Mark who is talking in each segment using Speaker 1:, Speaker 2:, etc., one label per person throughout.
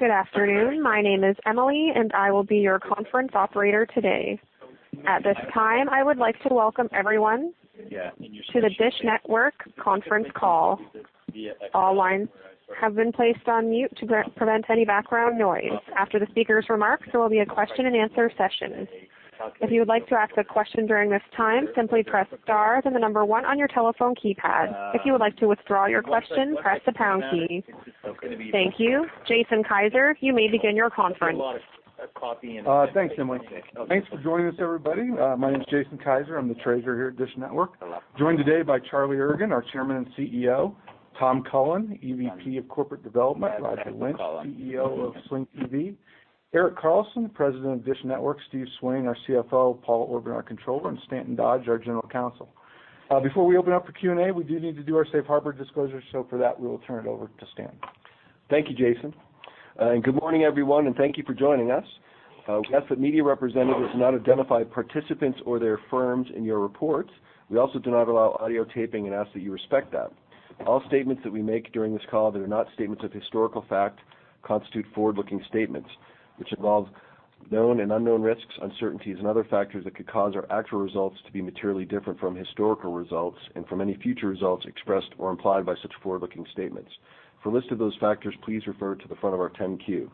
Speaker 1: Good afternoon. My name is Emily and I will be your conference operator today. At this time, I would like to welcome everyone to the DISH Network conference call. All lines have been placed on mute to prevent any background noise. After the speaker's remarks, there will be a question-and-answer session. If you would like to ask a question during this time, simply press star then the number one on your telephone keypad. If you would like to withdraw your question, press the pound key. Thank you. Jason Kiser, you may begin your conference.
Speaker 2: Thanks, Emily. Thanks for joining us, everybody. My name is Jason Kiser, I'm the Treasurer here at DISH Network. Joined today by Charlie Ergen, our Chairman and CEO, Tom Cullen, EVP of Corporate Development, Roger Lynch, CEO of Sling TV, Erik Carlson, President of DISH Network, Steven Swain, our CFO, Paul Orban, our Controller, and Stanton Dodge, our General Counsel. Before we open up for Q&A, we do need to do our safe harbor disclosure, for that, we will turn it over to Stan.
Speaker 3: Thank you, Jason. Good morning, everyone, and thank you for joining us. We ask that media representatives not identify participants or their firms in your reports. We also do not allow audio taping and ask that you respect that. All statements that we make during this call that are not statements of historical fact constitute forward-looking statements, which involve known and unknown risks, uncertainties and other factors that could cause our actual results to be materially different from historical results and from any future results expressed or implied by such forward-looking statements. For a list of those factors, please refer to the front of our 10-Q.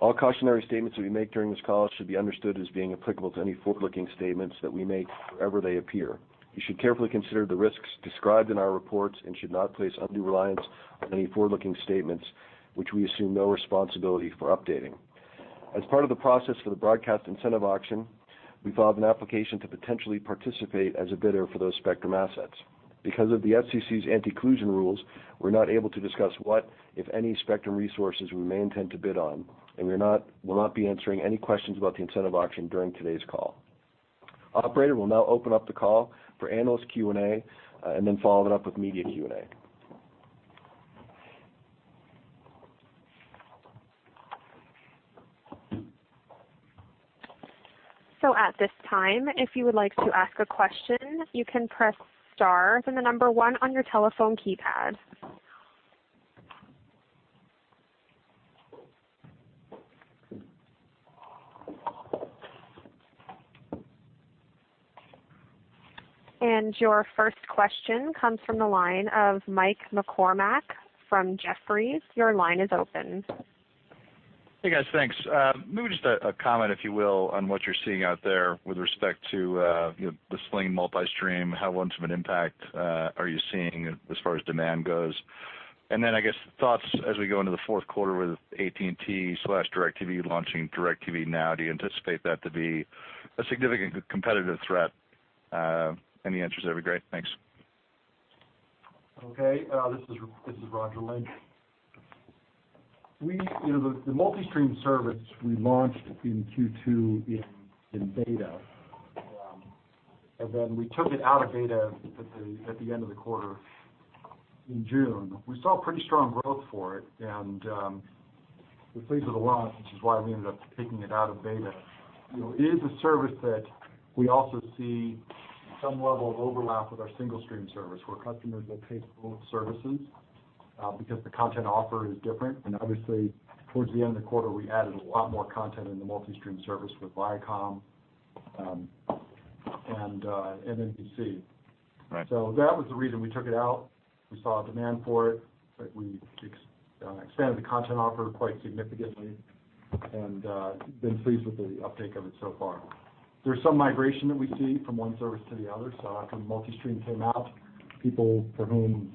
Speaker 3: All cautionary statements that we make during this call should be understood as being applicable to any forward-looking statements that we make wherever they appear. You should carefully consider the risks described in our reports and should not place undue reliance on any forward-looking statements, which we assume no responsibility for updating. As part of the process for the broadcast incentive auction, we filed an application to potentially participate as a bidder for those spectrum assets. Because of the FCC's anti-collusion rules, we're not able to discuss what, if any, spectrum resources we may intend to bid on, and we'll not be answering any questions about the incentive auction during today's call. Operator, we'll now open up the call for analyst Q&A, and then follow it up with media Q&A.
Speaker 1: At this time, if you would like to ask a question, you can press star then one on your telephone keypad. Your first question comes from the line of Mike McCormack from Jefferies. Your line is open.
Speaker 4: Hey, guys. Thanks. maybe just a comment, if you will, on what you're seeing out there with respect to, you know, the Sling multi-stream. How much of an impact are you seeing as far as demand goes? I guess thoughts as we go into the fourth quarter with AT&T/DirecTV launching DirecTV Now, do you anticipate that to be a significant competitive threat? Any answers that'd be great. Thanks.
Speaker 5: Okay. This is Roger Lynch. You know, the multi-stream service we launched in Q2 in beta, and then we took it out of beta at the end of the quarter in June. We saw pretty strong growth for it and we're pleased with the launch, which is why we ended up taking it out of beta. You know, it is a service that we also see some level of overlap with our single-stream service, where customers will take both services, because the content offer is different. Obviously towards the end of the quarter, we added a lot more content in the multi-stream service with Viacom and NBCUniversal.
Speaker 4: Right.
Speaker 5: That was the reason we took it out. We saw a demand for it, we expanded the content offer quite significantly and been pleased with the uptake of it so far. There's some migration that we see from one service to the other. As the multi-stream came out, people for whom,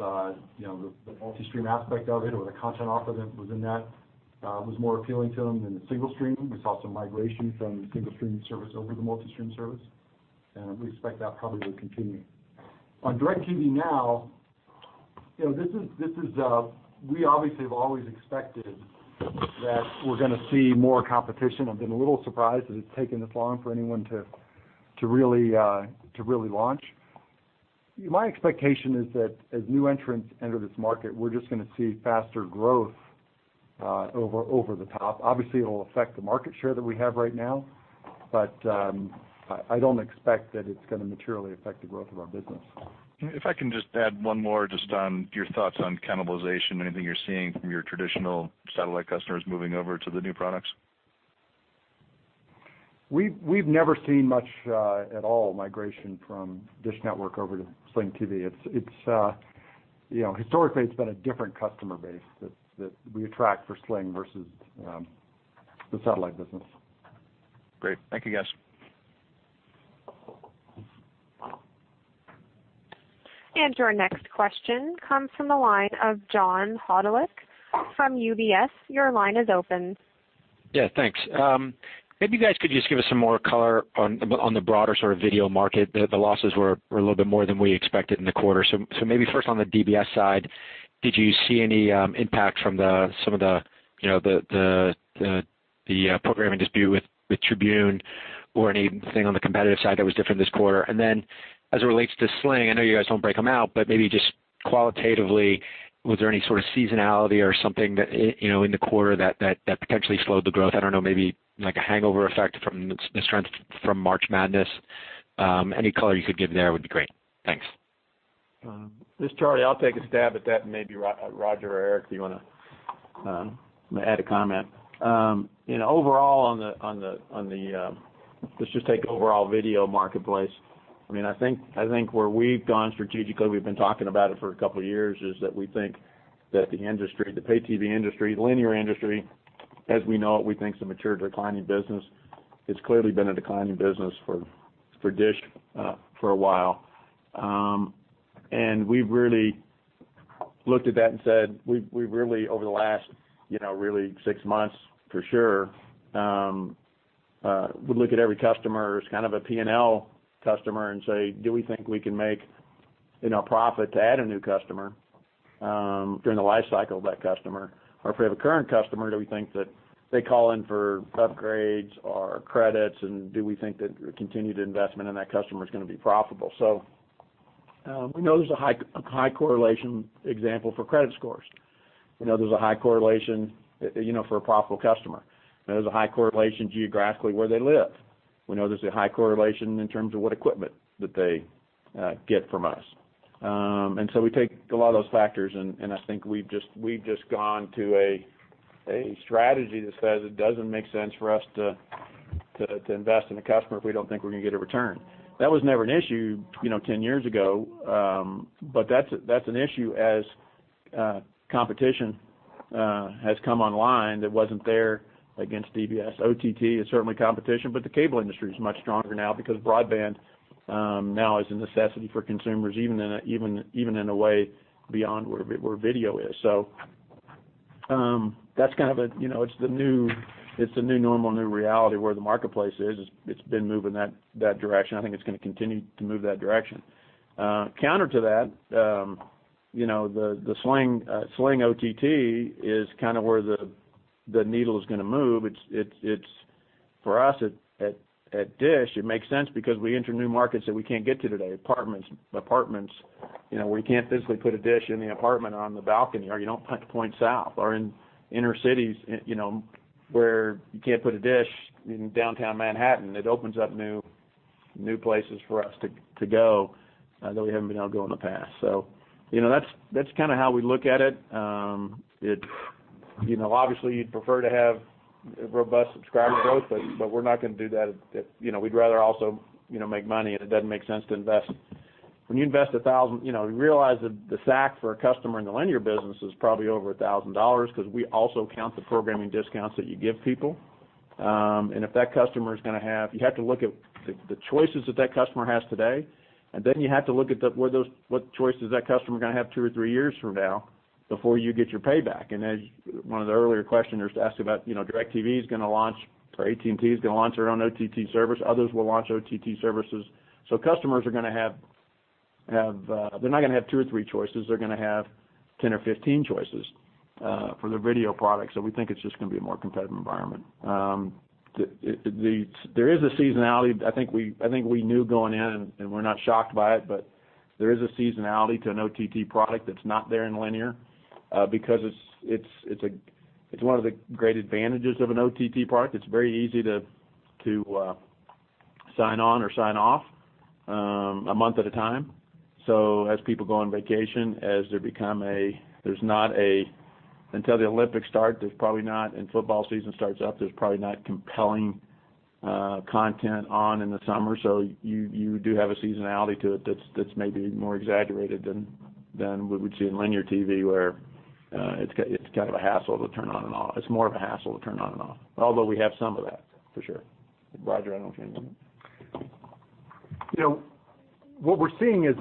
Speaker 5: you know, the multi-stream aspect of it or the content offer that was in that was more appealing to them than the single stream. We saw some migration from the single stream service over the multi-stream service, and we expect that probably will continue. On DirecTV Now, you know, this is, this is, we obviously have always expected that we're gonna see more competition. I've been a little surprised that it's taken this long for anyone to really launch. My expectation is that as new entrants enter this market, we're just gonna see faster growth, over-the-top. Obviously, it will affect the market share that we have right now, but I don't expect that it's gonna materially affect the growth of our business.
Speaker 4: If I can just add one more just on your thoughts on cannibalization. Anything you're seeing from your traditional satellite customers moving over to the new products?
Speaker 5: We've never seen much at all migration from DISH Network over to Sling TV. It's, you know, historically it's been a different customer base that we attract for Sling versus the satellite business.
Speaker 4: Great. Thank you, guys.
Speaker 1: Your next question comes from the line of John Hodulik from UBS. Your line is open.
Speaker 6: Yeah, thanks. Maybe you guys could just give us some more color on the broader sort of video market. The losses were a little bit more than we expected in the quarter. Maybe first on the DBS side, did you see any impact from some of the, you know, the programming dispute with Tribune or anything on the competitive side that was different this quarter? As it relates to Sling, I know you guys don't break them out, but maybe just qualitatively, was there any sort of seasonality or something that, you know, in the quarter that potentially slowed the growth? I don't know, maybe like a hangover effect from the strength from March Madness. Any color you could give there would be great. Thanks.
Speaker 7: This is Charlie, I'll take a stab at that, and maybe Roger or Erik, if you wanna add a comment. You know, overall on the overall video marketplace. I mean, I think where we've gone strategically, we've been talking about it for couple years, is that we think that the industry, the pay TV industry, linear industry, as we know it, we think is a mature declining business. It's clearly been a declining business for DISH for a while. We've really looked at that and said, we really over the last, you know, really six months for sure, would look at every customer as kind of a P&L customer and say, "Do we think we can make, you know, profit to add a new customer during the life cycle of that customer? If we have a current customer, do we think that they call in for upgrades or credits, and do we think that continued investment in that customer is gonna be profitable?" We know there's a high correlation example for credit scores. We know there's a high correlation, you know, for a profitable customer. There's a high correlation geographically where they live. We know there's a high correlation in terms of what equipment that they get from us. We take a lot of those factors and I think we've just gone to a strategy that says it doesn't make sense for us to invest in a customer if we don't think we're gonna get a return. That was never an issue, you know, 10 years ago. That's an issue as competition has come online that wasn't there against DBS. OTT is certainly competition, but the cable industry is much stronger now because broadband now is a necessity for consumers, even in a way beyond where video is. That's kind of a, you know, the new normal, new reality where the marketplace is. It's been moving that direction. I think it's gonna continue to move that direction. Counter to that, you know, the Sling OTT is kind of where the needle is gonna move. It's for us at DISH, it makes sense because we enter new markets that we can't get to today, apartments, you know, where you can't physically put a dish in the apartment or on the balcony, or you don't point south or in inner cities, you know, where you can't put a dish in downtown Manhattan. It opens up new places for us to go that we haven't been able to go in the past. You know, that's kinda how we look at it. It, you know, obviously you'd prefer to have robust subscriber growth, but we're not gonna do that if, you know, we'd rather also, you know, make money and it doesn't make sense to invest. When you invest 1,000, you know, you realize that the SAC for a customer in the linear business is probably over $1,000 'cause we also count the programming discounts that you give people. If that customer You have to look at the choices that that customer has today, and then you have to look at the, where those, what choices that customer are gonna have two or three years from now before you get your payback. As one of the earlier questioners asked about, you know, DirecTV is gonna launch, or AT&T is gonna launch their own OTT service, others will launch OTT services. Customers are going to have, they're not going to have two or three choices, they're going to have 10 or 15 choices for their video products. We think it's just going to be a more competitive environment. There is a seasonality I think we knew going in, and we're not shocked by it, there is a seasonality to an OTT product that's not there in linear because it's one of the great advantages of an OTT product. It's very easy to sign on or sign off a month at a time. As people go on vacation, as they become, there's not Until the Olympics start, there's probably not, and football season starts up, there's probably not compelling content on in the summer. You do have a seasonality to it that's maybe more exaggerated than what we'd see in linear TV where it's kind of a hassle to turn on and off. It's more of a hassle to turn on and off, although we have some of that, for sure. Roger, I don't know if you have anything.
Speaker 5: You know, what we're seeing is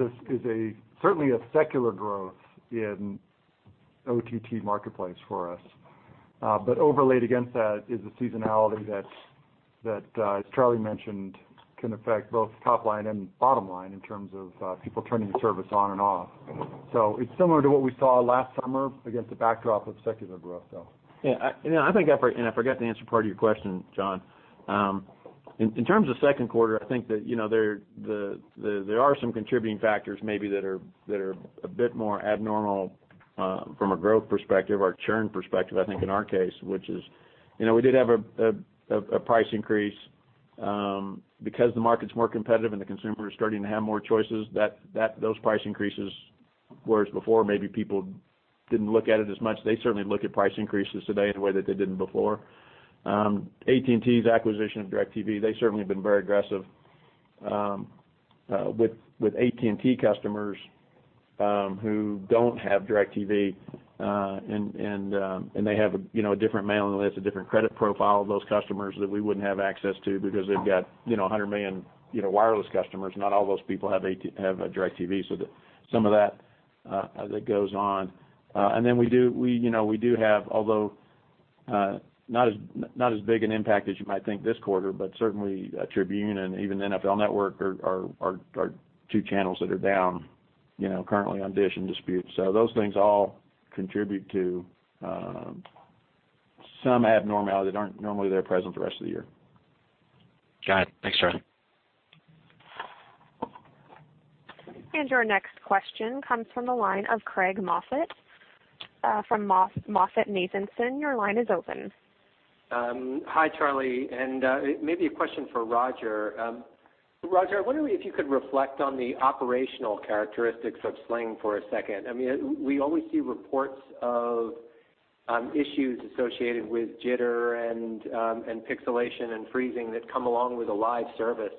Speaker 5: certainly a secular growth in OTT marketplace for us. But overlaid against that is the seasonality that, as Charlie mentioned, can affect both top line and bottom line in terms of people turning the service on and off. It's similar to what we saw last summer against the backdrop of secular growth.
Speaker 7: Yeah, I, you know, I think I forgot to answer part of your question, John. In terms of second quarter, I think that, you know, there, the, there are some contributing factors maybe that are a bit more abnormal from a growth perspective or a churn perspective, I think in our case, which is, you know, we did have a price increase. Because the market's more competitive and the consumer is starting to have more choices, those price increases, whereas before maybe people didn't look at it as much, they certainly look at price increases today in a way that they didn't before. AT&T's acquisition of DirecTV, they certainly have been very aggressive with AT&T customers who don't have DirecTV. They have a, you know, a different mailing list, a different credit profile of those customers that we wouldn't have access to because they've got, you know, 100 million, you know, wireless customers. Not all those people have DirecTV. Some of that as it goes on. We, you know, we do have, although, not as big an impact as you might think this quarter, but certainly, Tribune and even NFL Network are two channels that are down, you know, currently on DISH in dispute. Those things all contribute to some abnormality that aren't normally there present the rest of the year.
Speaker 6: Got it. Thanks, Charlie.
Speaker 1: Our next question comes from the line of Craig Moffett from MoffettNathanson. Your line is open.
Speaker 8: Hi, Charlie. It may be a question for Roger. Roger, I wonder if you could reflect on the operational characteristics of Sling for a second. I mean, we always see reports of issues associated with jitter and pixelation and freezing that come along with a live service.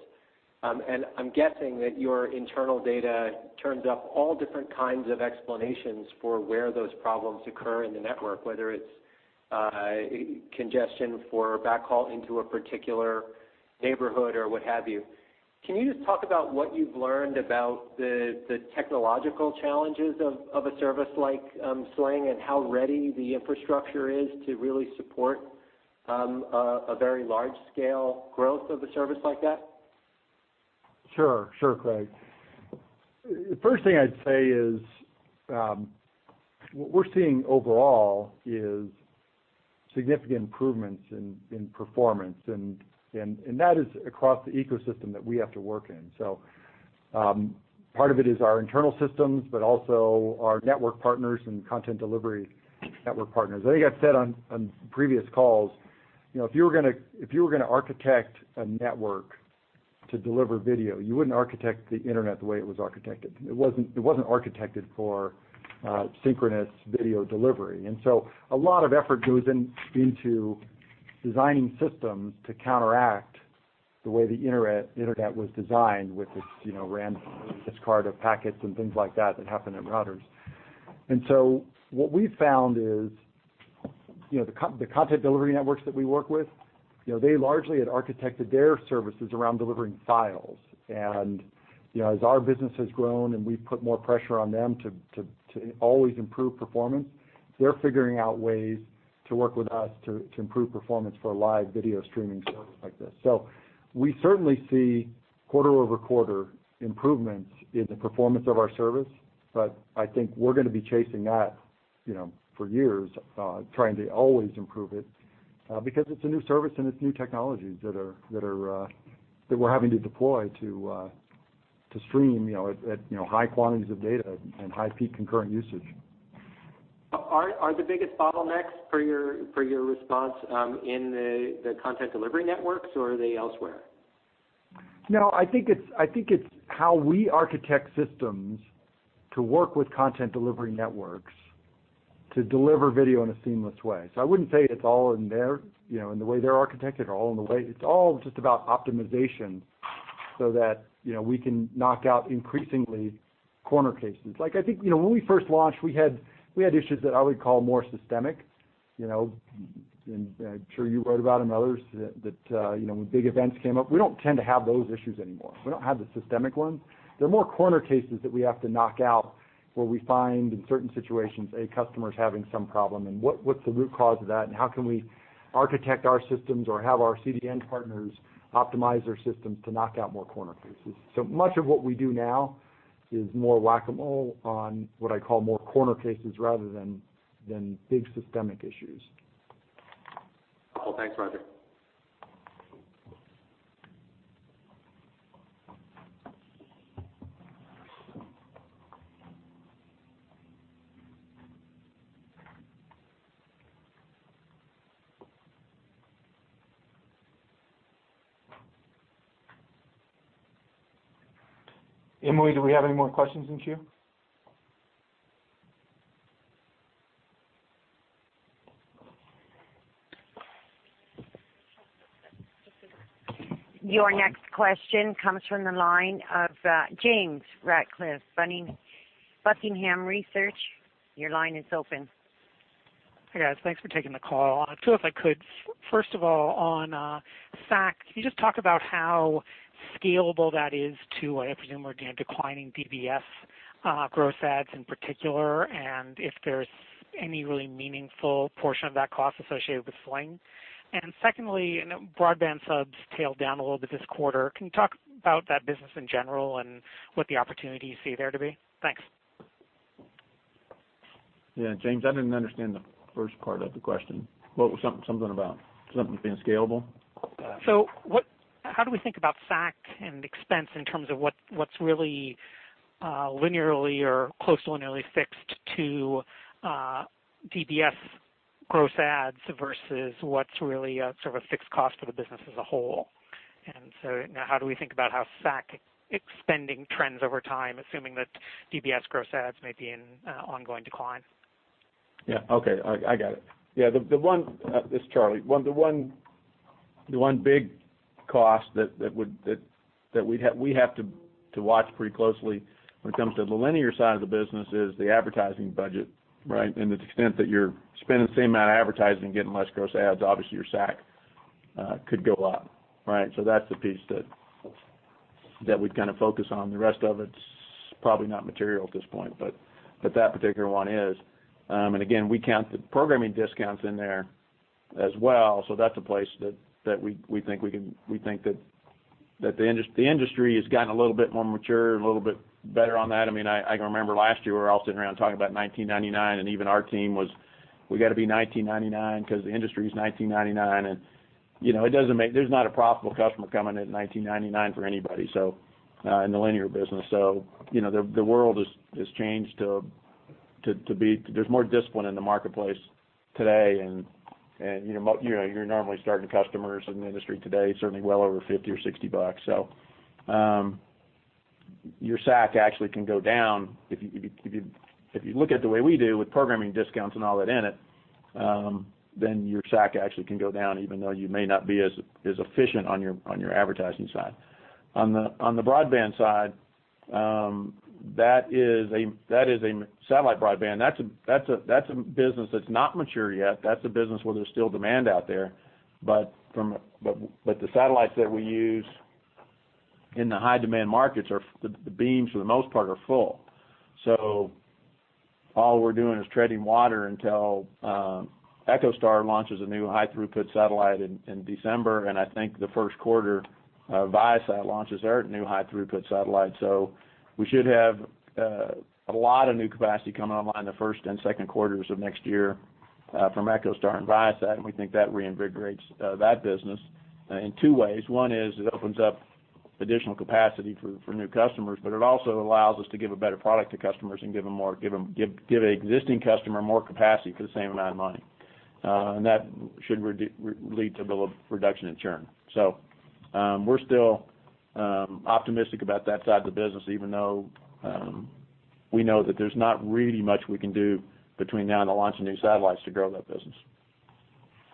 Speaker 8: I'm guessing that your internal data turns up all different kinds of explanations for where those problems occur in the network, whether it's congestion for backhaul into a particular neighborhood or what have you. Can you just talk about what you've learned about the technological challenges of a service like Sling and how ready the infrastructure is to really support a very large scale growth of a service like that?
Speaker 5: Sure. Sure, Craig. The first thing I'd say is, what we're seeing overall is significant improvements in performance, and that is across the ecosystem that we have to work in. Part of it is our internal systems, but also our network partners and content delivery network partners. I think I've said on previous calls, you know, if you were gonna architect a network to deliver video, you wouldn't architect the internet the way it was architected. It wasn't architected for synchronous video delivery. A lot of effort goes into designing systems to counteract the way the internet was designed with this, you know, random discard of packets and things like that happen in routers. What we've found is, you know, the content delivery networks that we work with, you know, they largely had architected their services around delivering files. You know, as our business has grown and we've put more pressure on them to always improve performance, they're figuring out ways to work with us to improve performance for a live video streaming service like this. We certainly see quarter-over-quarter improvements in the performance of our service, but I think we're gonna be chasing that, you know, for years, trying to always improve it, because it's a new service and it's new technologies that are that we're having to deploy to stream, you know, at, you know, high quantities of data and high peak concurrent usage.
Speaker 8: Are the biggest bottlenecks for your response in the content delivery networks or are they elsewhere?
Speaker 5: No, I think it's how we architect systems to work with content delivery networks to deliver video in a seamless way. I wouldn't say it's all in their, you know, in the way they're architected or all in the way. It's all just about optimization so that, you know, we can knock out increasingly corner cases. Like, I think, you know, when we first launched, we had issues that I would call more systemic, you know. I'm sure you wrote about them and others, that, you know, when big events came up. We don't tend to have those issues anymore. We don't have the systemic ones. They're more corner cases that we have to knock out, where we find in certain situations, a customer's having some problem, and what's the root cause of that and how can we architect our systems or have our CDN partners optimize their systems to knock out more corner cases. So much of what we do now is more Whac-A-Mole on what I call more corner cases rather than big systemic issues.
Speaker 8: Well, thanks, Roger.
Speaker 2: Emily, do we have any more questions in queue?
Speaker 1: Your next question comes from the line of, James Ratcliffe, Buckingham Research. Your line is open.
Speaker 9: Hey, guys. Thanks for taking the call. Two, if I could. First of all, on SAC, can you just talk about how scalable that is to, I presume, or, you know, declining DBS gross adds in particular, and if there's any really meaningful portion of that cost associated with Sling? Secondly, broadband subs tailed down a little bit this quarter. Can you talk about that business in general and what the opportunity you see there to be? Thanks.
Speaker 7: Yeah. James, I didn't understand the first part of the question. What was something about something being scalable?
Speaker 9: How do we think about SAC and expense in terms of what's really linearly or close to linearly fixed to DBS gross adds versus what's really a sort of a fixed cost for the business as a whole? Now how do we think about how SAC expending trends over time, assuming that DBS gross adds may be in ongoing decline?
Speaker 7: Okay. I got it. This is Charlie. The one big cost that would, that we'd have to watch pretty closely when it comes to the linear side of the business is the advertising budget, right? The extent that you're spending the same amount of advertising and getting less gross adds, obviously your SAC could go up, right? That's the piece that we'd kinda focus on. The rest of it's probably not material at this point, but that particular one is. Again, we count the programming discounts in there as well. That's a place that we think we can, we think that the industry has gotten a little bit more mature and a little bit better on that. I mean, I can remember last year we were all sitting around talking about $19.99, and even our team was, "We gotta beat $19.99 'cause the industry is $19.99. You know, it doesn't there's not a profitable customer coming in $19.99 for anybody in the linear business. You know, the world has changed to be there's more discipline in the marketplace today and, you know, you're normally starting customers in the industry today, certainly well over $50 or $60. Your SAC actually can go down if you look at it the way we do with programming discounts and all that in it, then your SAC actually can go down even though you may not be as efficient on your advertising side. On the broadband side, that is a satellite broadband. That's a business that's not mature yet. That's a business where there's still demand out there. The satellites that we use in the high-demand markets are the beams for the most part are full. All we're doing is treading water until EchoStar launches a new high-throughput satellite in December, and I think the first quarter, ViaSat launches their new high-throughput satellite. We should have a lot of new capacity coming online in the first and second quarters of next year from EchoStar and ViaSat, and we think that reinvigorates that business in two ways. One is it opens up additional capacity for new customers, but it also allows us to give a better product to customers and give an existing customer more capacity for the same amount of money. That should lead to a little reduction in churn. We're still optimistic about that side of the business, even though we know that there's not really much we can do between now and the launch of new satellites to grow that business.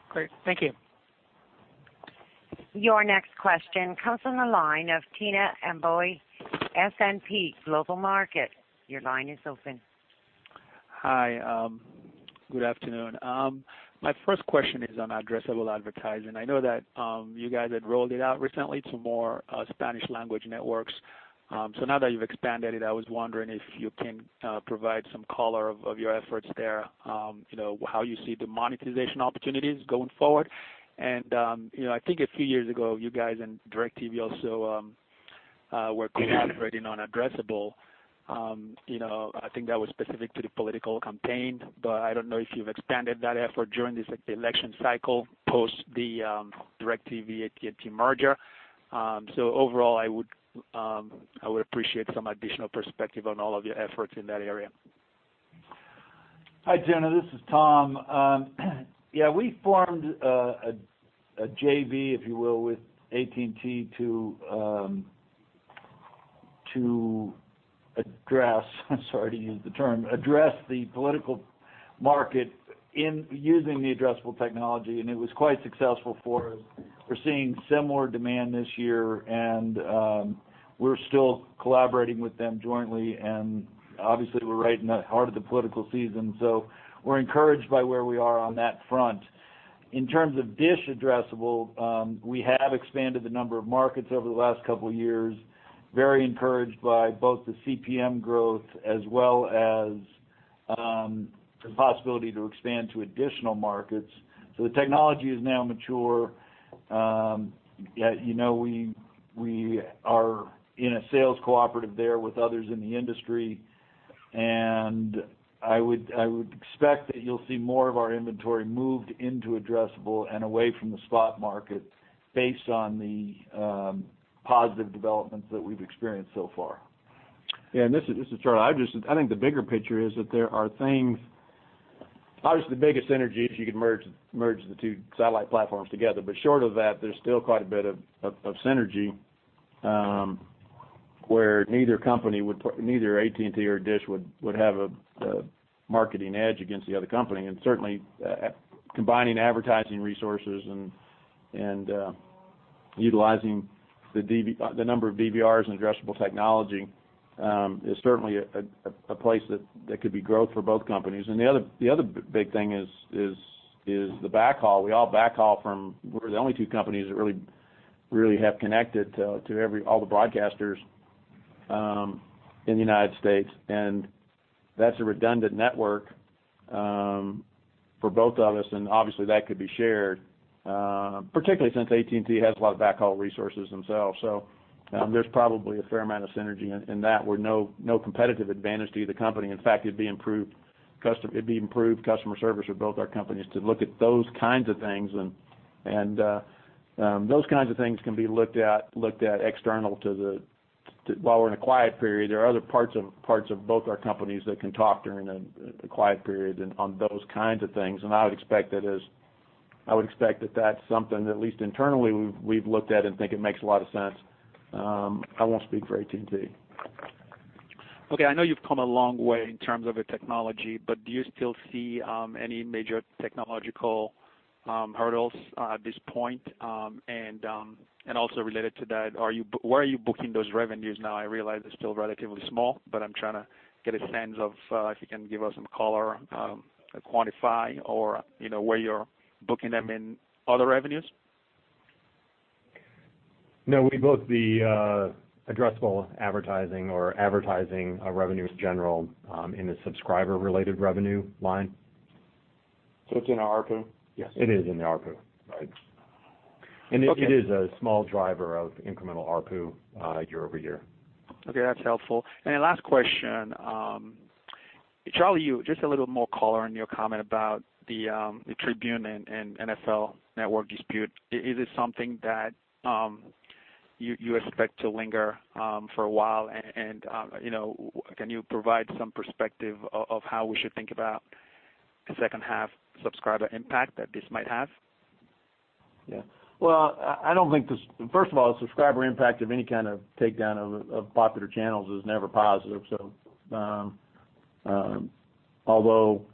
Speaker 9: Great. Thank you.
Speaker 1: Your next question comes from the line of Tuna Amobi, S&P Global Market Intelligence. Your line is open.
Speaker 10: Hi. Good afternoon. My first question is on addressable advertising. I know that you guys had rolled it out recently to more Spanish language networks. Now that you've expanded it, I was wondering if you can provide some color of your efforts there, you know, how you see the monetization opportunities going forward. You know, I think a few years ago, you guys and DirecTV also were collaborating on addressable. You know, I think that was specific to the political campaign, but I don't know if you've expanded that effort during this e-election cycle, post the DirecTV-AT&T merger. Overall, I would appreciate some additional perspective on all of your efforts in that area.
Speaker 11: Hi, Tuna Amobi, this is Tom. Yeah, we formed a JV, if you will, with AT&T to address, I'm sorry to use the term, address the political market in using the addressable technology, and it was quite successful for us. We're seeing similar demand this year and we're still collaborating with them jointly. Obviously we're right in the heart of the political season, so we're encouraged by where we are on that front. In terms of DISH addressable, we have expanded the number of markets over the last couple of years, very encouraged by both the CPM growth as well as the possibility to expand to additional markets. The technology is now mature. Yeah, you know, we are in a sales cooperative there with others in the industry. I would expect that you'll see more of our inventory moved into addressable and away from the spot market based on the positive developments that we've experienced so far.
Speaker 7: This is Charlie. I think the bigger picture is that there are things. Obviously, the biggest synergy is you can merge the two satellite platforms together. Short of that, there's still quite a bit of synergy where neither company neither AT&T or DISH would have the marketing edge against the other company. Certainly, combining advertising resources and utilizing the number of DVRs and addressable technology is certainly a place that could be growth for both companies. The other big thing is the backhaul. We all backhaul. We're the only two companies that really have connected to all the broadcasters in the United States. That's a redundant network for both of us. Obviously that could be shared, particularly since AT&T has a lot of backhaul resources themselves. There's probably a fair amount of synergy in that where no competitive advantage to either company. In fact, it'd be improved customer service for both our companies to look at those kinds of things and those kinds of things can be looked at external to the while we're in a quiet period. There are other parts of both our companies that can talk during a quiet period and on those kinds of things. I would expect that that's something that at least internally we've looked at and think it makes a lot of sense. I won't speak for AT&T.
Speaker 10: Okay. I know you've come a long way in terms of the technology, but do you still see any major technological hurdles at this point? Also related to that, where are you booking those revenues now? I realize they're still relatively small, but I'm trying to get a sense of, if you can give us some color, quantify or, you know, where you're booking them in other revenues.
Speaker 11: No, we book the addressable advertising or advertising revenues general in the Subscriber Related Revenue Line.
Speaker 10: It's in our ARPU?
Speaker 11: Yes. It is in the ARPU.
Speaker 10: Right. Okay.
Speaker 11: It is a small driver of incremental ARPU, year-over-year.
Speaker 10: Okay, that's helpful. Last question, Charlie, just a little more color on your comment about the Tribune and NFL Network dispute. Is it something that you expect to linger for a while? You know, can you provide some perspective of how we should think about the second half subscriber impact that this might have?
Speaker 7: Well, I don't think the first of all, the subscriber impact of any kind of takedown of popular channels is never positive. Although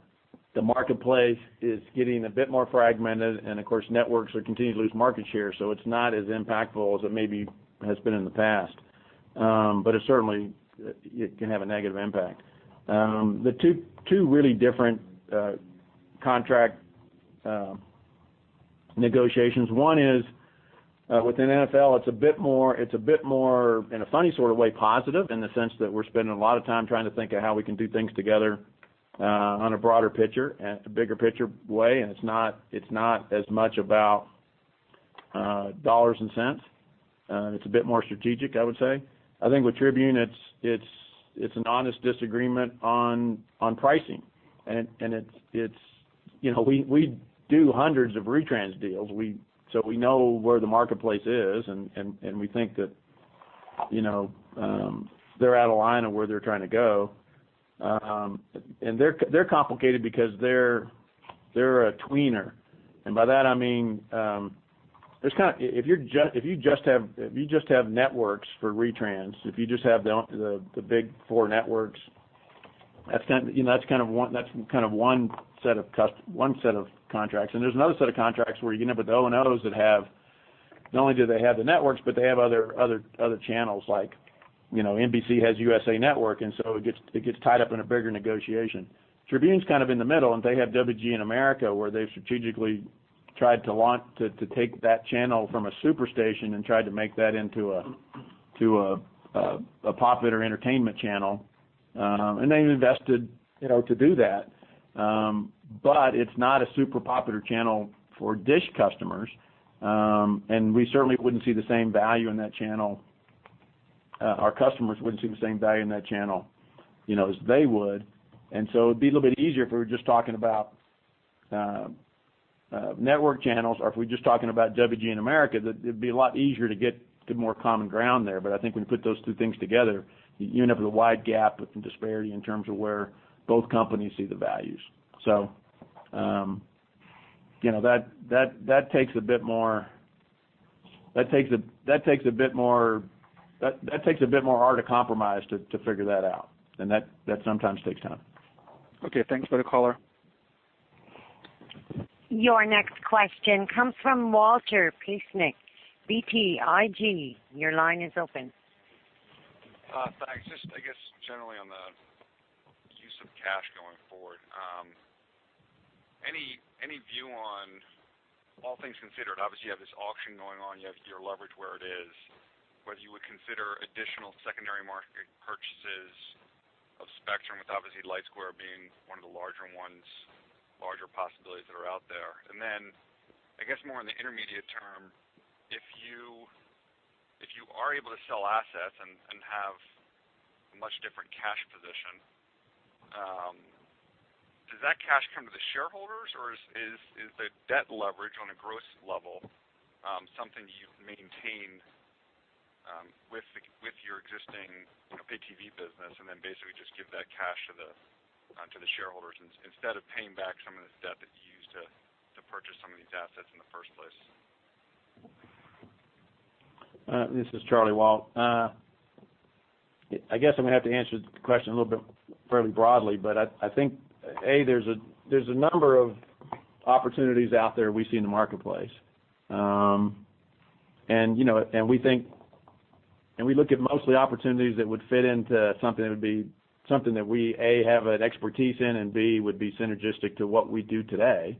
Speaker 7: the marketplace is getting a bit more fragmented and, of course, networks are continuing to lose market share, so it's not as impactful as it maybe has been in the past. It certainly can have a negative impact. The two really different contract negotiations, one is within NFL, it's a bit more, in a funny sort of way, positive in the sense that we're spending a lot of time trying to think of how we can do things together on a broader picture, a bigger picture way. It's not, it's not as much about dollars and cents. It's a bit more strategic, I would say. I think with Tribune it's an honest disagreement on pricing. It's, you know, we do hundreds of retrans deals. So we know where the marketplace is and we think that, you know, they're out of line on where they're trying to go. They're complicated because they're a tweener. By that I mean, there's kind if you just have networks for retrans, if you just have the big four networks, that's kind, you know, that's kind of one set of contracts. There's another set of contracts where you end up with the O&Os that have, not only do they have the networks, but they have other channels like, you know, NBC has USA Network, so it gets tied up in a bigger negotiation. Tribune's kind of in the middle, they have WGN America, where they've strategically tried to launch to take that channel from a superstation and tried to make that into a popular entertainment channel. They've invested, you know, to do that. It's not a super popular channel for DISH customers. We certainly wouldn't see the same value in that channel. Our customers wouldn't see the same value in that channel, you know, as they would. It'd be a little bit easier if we were just talking about network channels or if we're just talking about WGN America, that it'd be a lot easier to get to more common ground there. I think when you put those two things together, you end up with a wide gap with the disparity in terms of where both companies see the values. You know, that takes a bit more art of compromise to figure that out. That sometimes takes time.
Speaker 10: Okay. Thanks for the color.
Speaker 1: Your next question comes from Walter Piecyk. BTIG, your line is open.
Speaker 12: Thanks. Just I guess generally on the use of cash going forward, any view on all things considered, obviously you have this auction going on, you have your leverage where it is, whether you would consider additional secondary market purchases of Spectrum with obviously LightSquared being one of the larger ones, larger possibilities that are out there. Then I guess more in the intermediate term, if you are able to sell assets and have a much different cash position, does that cash come to the shareholders or is the debt leverage on a gross level, something you maintain, with your existing, you know, pay TV business and then basically just give that cash to the shareholders instead of paying back some of the debt that you used to purchase some of these assets in the first place?
Speaker 7: This is Charlie, Walt. I guess I'm gonna have to answer the question a little bit fairly broadly, but I think, A, there's a number of opportunities out there we see in the marketplace. You know, and we think, and we look at mostly opportunities that would fit into something that would be something that we, A, have an expertise in, and B, would be synergistic to what we do today.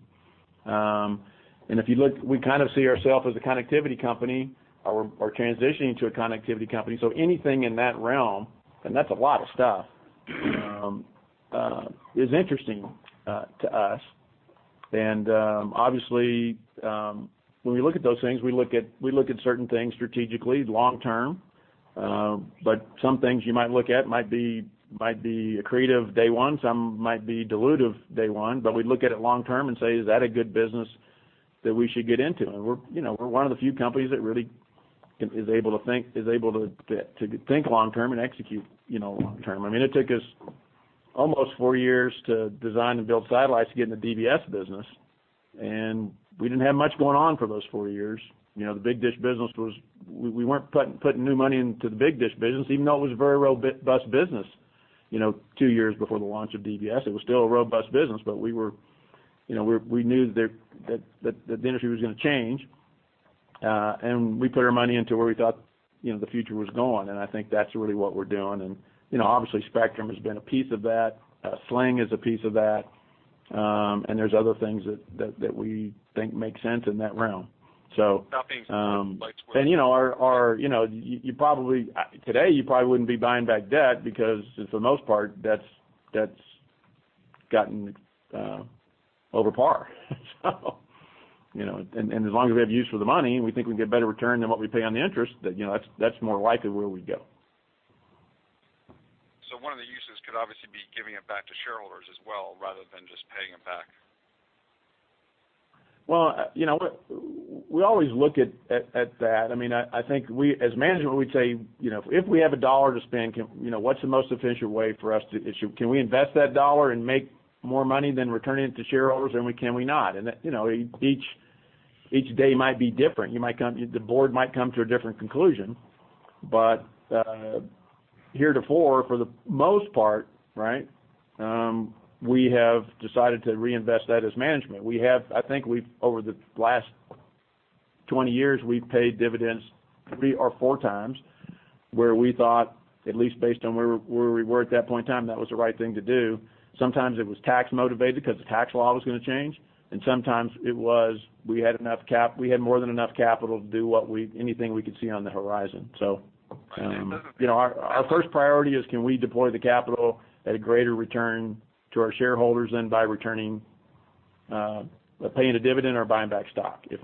Speaker 7: If you look, we kind of see ourself as a connectivity company or transitioning to a connectivity company. Anything in that realm, and that's a lot of stuff, is interesting to us. Obviously, when we look at those things, we look at certain things strategically, long term. Some things you might look at might be accretive day one, some might be dilutive day one. We look at it long term and say, "Is that a good business that we should get into?" We're, you know, we're one of the few companies that really is able to think, is able to think long term and execute, you know, long term. I mean, it took us almost four years to design and build satellites to get in the DBS business, and we didn't have much going on for those four years. You know, the big dish business we weren't putting new money into the big dish business, even though it was a very robust business. You know, two years before the launch of DBS, it was still a robust business, but we were, you know, we knew that there, that the industry was gonna change. We put our money into where we thought, you know, the future was going, and I think that's really what we're doing. You know, obviously, Spectrum has been a piece of that. Sling is a piece of that. There's other things that we think make sense in that realm.
Speaker 12: Not being so LightSquared.
Speaker 7: You know, our, you know, today, you probably wouldn't be buying back debt because for the most part that's gotten over par. You know, and as long as we have use for the money, and we think we can get better return than what we pay on the interest, then, you know, that's more likely where we'd go.
Speaker 12: One of the uses could obviously be giving it back to shareholders as well, rather than just paying it back.
Speaker 7: Well, you know, we always look at that. I mean, I think as management, we'd say, you know, if we have a dollar to spend, what's the most efficient way for us to issue? Can we invest that dollar and make more money than returning it to shareholders, and can we not? That, you know, each day might be different. The board might come to a different conclusion. Heretofore, for the most part, right, we have decided to reinvest that as management. I think we've over the last 20 years, we've paid dividends three or four times where we thought, at least based on where we were at that point in time, that was the right thing to do. Sometimes it was tax motivated because the tax law was gonna change, and sometimes it was, we had more than enough capital to do anything we could see on the horizon.
Speaker 12: And it doesn't-
Speaker 7: You know, our first priority is can we deploy the capital at a greater return to our shareholders than by returning, paying a dividend or buying back stock? If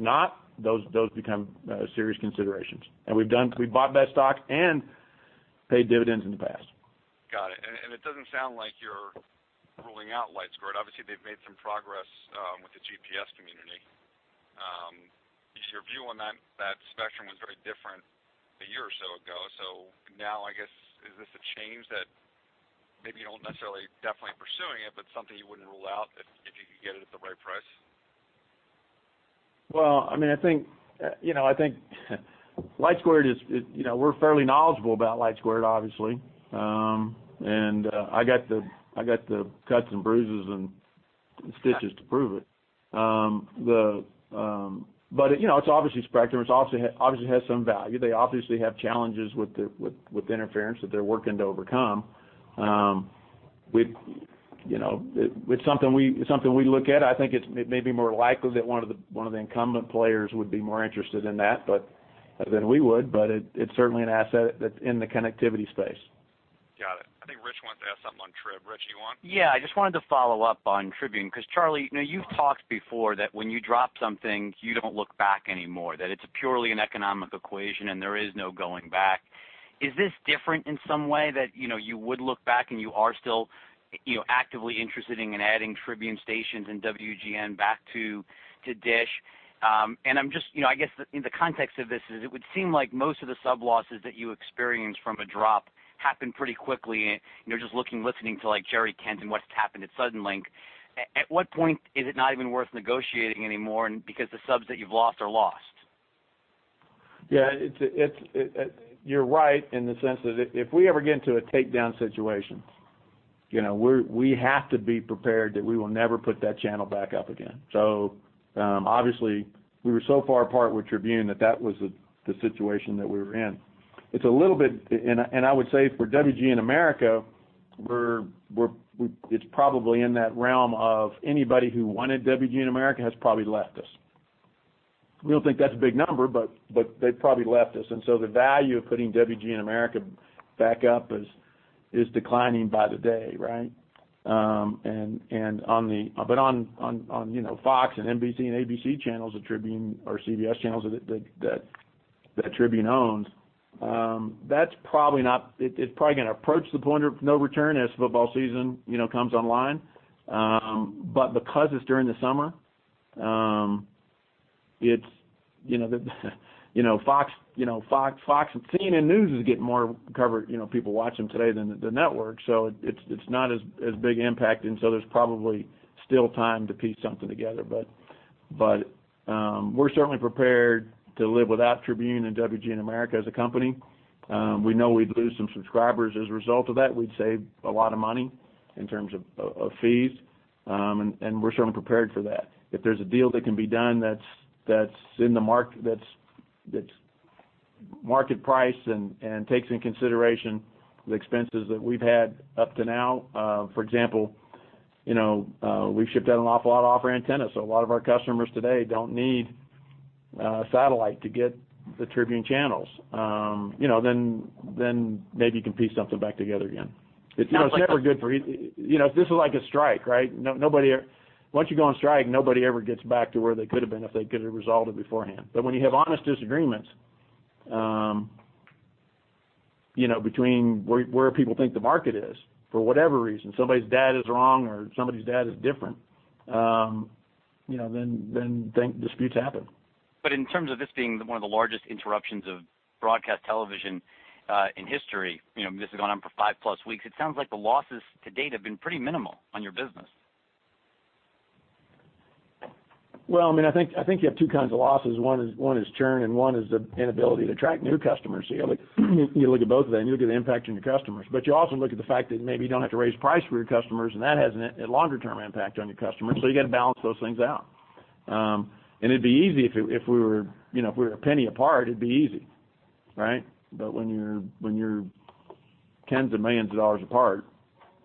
Speaker 7: not, those become serious considerations. We've bought back stock and paid dividends in the past.
Speaker 12: Got it. It doesn't sound like you're ruling out LightSquared. Obviously, they've made some progress with the GPS community. Your view on that spectrum was very different a year or so ago. Now, I guess, is this a change that maybe you don't necessarily definitely pursuing it, but something you wouldn't rule out if you could get it at the right price?
Speaker 7: Well, I mean, I think, you know, I think LightSquared is, you know, we're fairly knowledgeable about LightSquared, obviously. I got the cuts and bruises and stitches to prove it. You know, it's obviously spectrum. It's obviously has some value. They obviously have challenges with interference that they're working to overcome. You know, it's something we look at. I think it's maybe more likely that one of the incumbent players would be more interested in that, but, than we would. It, it's certainly an asset that's in the connectivity space.
Speaker 12: Got it. I think Rich wants to ask something on Trib. Rich, do you want?
Speaker 13: I just wanted to follow up on Tribune, because Charlie, you know, you've talked before that when you drop something, you don't look back anymore, that it's purely an economic equation, and there is no going back. Is this different in some way that, you know, you would look back and you are still, you know, actively interested in adding Tribune stations and WGN back to DISH? I'm just, you know, I guess the, in the context of this is it would seem like most of the sub losses that you experience from a drop happen pretty quickly, you know, just looking, listening to like Jerry Kent and what's happened at Suddenlink. At what point is it not even worth negotiating anymore and because the subs that you've lost are lost?
Speaker 7: Yeah. It's you're right in the sense that if we ever get into a takedown situation, you know, we have to be prepared that we will never put that channel back up again. Obviously, we were so far apart with Tribune that that was the situation that we were in. I would say for WGN America, it's probably in that realm of anybody who wanted WGN America has probably left us. We don't think that's a big number, but they probably left us. The value of putting WGN America back up is declining by the day, right? On, you know, Fox and NBC and ABC channels that Tribune or CBS channels that Tribune owns, it's probably gonna approach the point of no return as football season, you know, comes online. Because it's during the summer, it's, you know, the, you know, Fox, you know, Fox and CNN News is getting more cover, you know, people watching today than the network. It's not as big impact. There's probably still time to piece something together. We're certainly prepared to live without Tribune and WGN America as a company. We know we'd lose some subscribers as a result of that. We'd save a lot of money in terms of fees. We're certainly prepared for that. If there's a deal that can be done that's market price and takes into consideration the expenses that we've had up to now, for example, we've shipped out an awful lot of off-air antennas, so a lot of our customers today don't need satellite to get the Tribune channels. Maybe you can piece something back together again. It's never good, you know, this is like a strike, right? Once you go on strike, nobody ever gets back to where they could have been if they could have resolved it beforehand. When you have honest disagreements, between where people think the market is for whatever reason, somebody's data is wrong or somebody's data is different, then think disputes happen.
Speaker 13: In terms of this being one of the largest interruptions of broadcast television, in history, you know, this has gone on for five plus weeks, it sounds like the losses to date have been pretty minimal on your business.
Speaker 7: Well, I mean, I think you have two kinds of losses. One is churn, and one is the inability to attract new customers. You look at both of them, you'll get an impact on your customers. You also look at the fact that maybe you don't have to raise price for your customers, and that has a longer term impact on your customers. You got to balance those things out. It'd be easy if we were, you know, if we were a penny apart, it'd be easy, right? When you're tens of millions of dollars apart,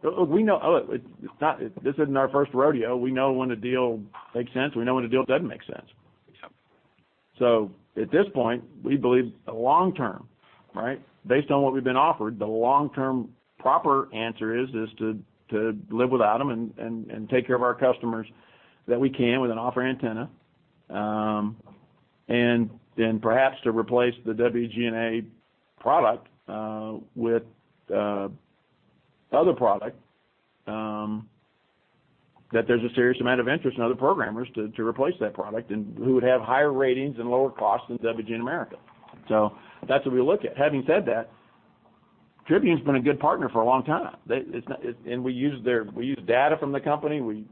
Speaker 7: this isn't our first rodeo. We know when a deal makes sense. We know when a deal doesn't make sense. At this point, we believe the long term, right? Based on what we've been offered, the long-term proper answer is to live without them and take care of our customers that we can with an off-air antenna. Perhaps to replace the WGN product with other product that there's a serious amount of interest in other programmers to replace that product and who would have higher ratings and lower costs than WGN America. That's what we look at. Having said that, Tribune's been a good partner for a long time. It's not. We use their data from the company. We've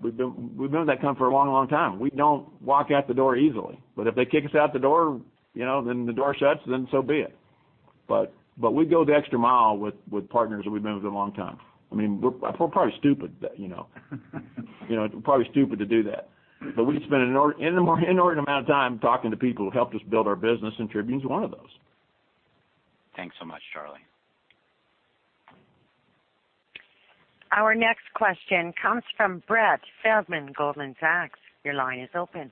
Speaker 7: known that company for a long, long time. We don't walk out the door easily, but if they kick us out the door, you know, then the door shuts, then so be it. We go the extra mile with partners that we've been with a long time. I mean, we're probably stupid that, you know. You know, probably stupid to do that. We spend an inordinate amount of time talking to people who helped us build our business, and Tribune's one of those.
Speaker 13: Thanks so much. Charlie.
Speaker 1: Our next question comes from Brett Feldman, Goldman Sachs. Your line is open.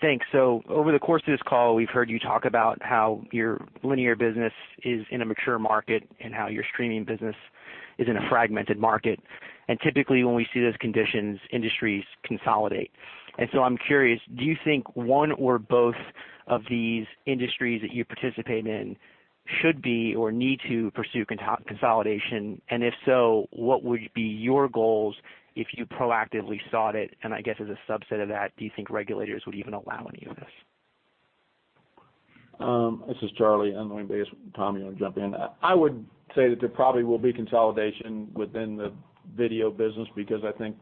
Speaker 14: Thanks. Over the course of this call, we've heard you talk about how your linear business is in a mature market and how your streaming business is in a fragmented market. Typically, when we see those conditions, industries consolidate. I'm curious, do you think one or both of these industries that you participate in should be or need to pursue consolidation? If so, what would be your goals if you proactively sought it? I guess as a subset of that, do you think regulators would even allow any of this?
Speaker 7: This is Charlie, and I'm going to base with Tom, you know, jump in. I would say that there probably will be consolidation within the video business because I think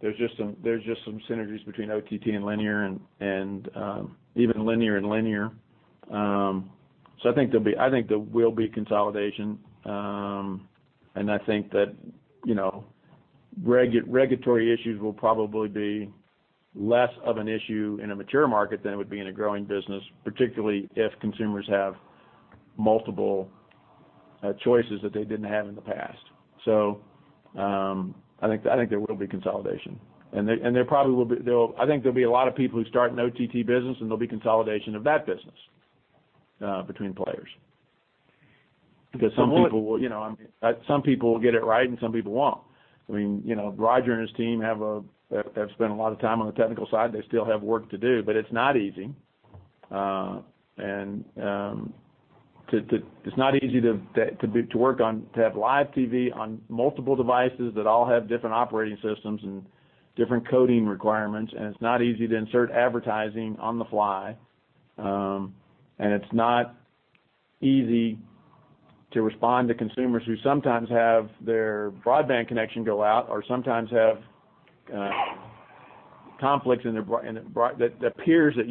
Speaker 7: there's just some synergies between OTT and linear and even linear and linear. I think there will be consolidation. I think that, you know, regulatory issues will probably be less of an issue in a mature market than it would be in a growing business, particularly if consumers have multiple choices that they didn't have in the past. I think there will be consolidation. There, I think there'll be a lot of people who start an OTT business, and there'll be consolidation of that business between players. Some people will, you know, I mean, some people will get it right, and some people won't. I mean, you know, Roger and his team have spent a lot of time on the technical side. They still have work to do. It's not easy. It's not easy to work on, to have live TV on multiple devices that all have different operating systems and different coding requirements. It's not easy to insert advertising on the fly. It's not easy to respond to consumers who sometimes have their broadband connection go out or sometimes have conflicts in their broad that appears that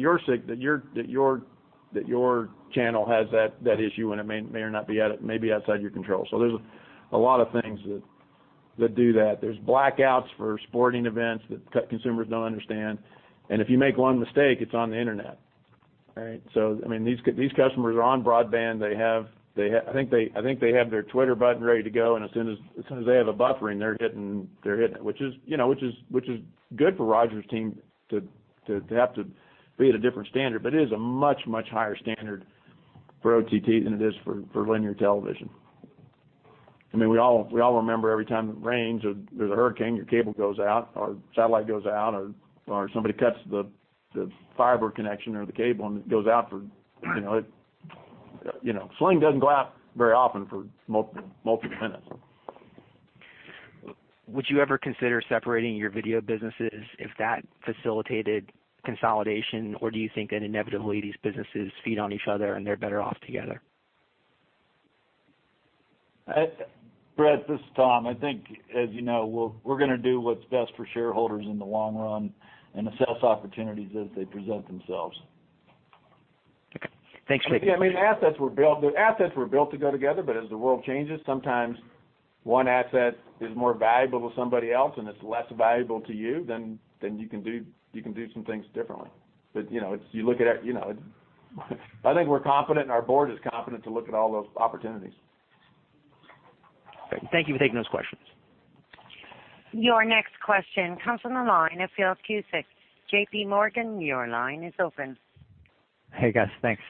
Speaker 7: your channel has that issue, and it may or not be at it, maybe outside your control. There's a lot of things that do that. There's blackouts for sporting events that consumers don't understand. If you make one mistake, it's on the internet. All right? I mean, these customers are on broadband. They have I think they have their Twitter button ready to go, and as soon as they have a buffering, they're hitting. Which is, you know, good for Roger's team to have to be at a different standard. It is a much higher standard for OTT than it is for linear television. I mean, we all remember every time it rains or there's a hurricane, your cable goes out or satellite goes out or somebody cuts the fiber connection or the cable, and it goes out for, you know. You know, Sling doesn't go out very often for multiple minutes.
Speaker 14: Would you ever consider separating your video businesses if that facilitated consolidation, or do you think that inevitably these businesses feed on each other and they're better off together?
Speaker 11: Brett, this is Tom. I think as you know, we're gonna do what's best for shareholders in the long run and assess opportunities as they present themselves.
Speaker 14: Okay. Thanks.
Speaker 11: I mean, the assets were built to go together, but as the world changes, sometimes one asset is more valuable to somebody else and it's less valuable to you, then you can do some things differently. You know, it's you look at it, you know. I think we're confident and our board is confident to look at all those opportunities.
Speaker 14: Thank you for taking those questions.
Speaker 1: Your next question comes from the line of Philip Cusick, JPMorgan. Your line is open.
Speaker 15: Hey, guys. Thanks.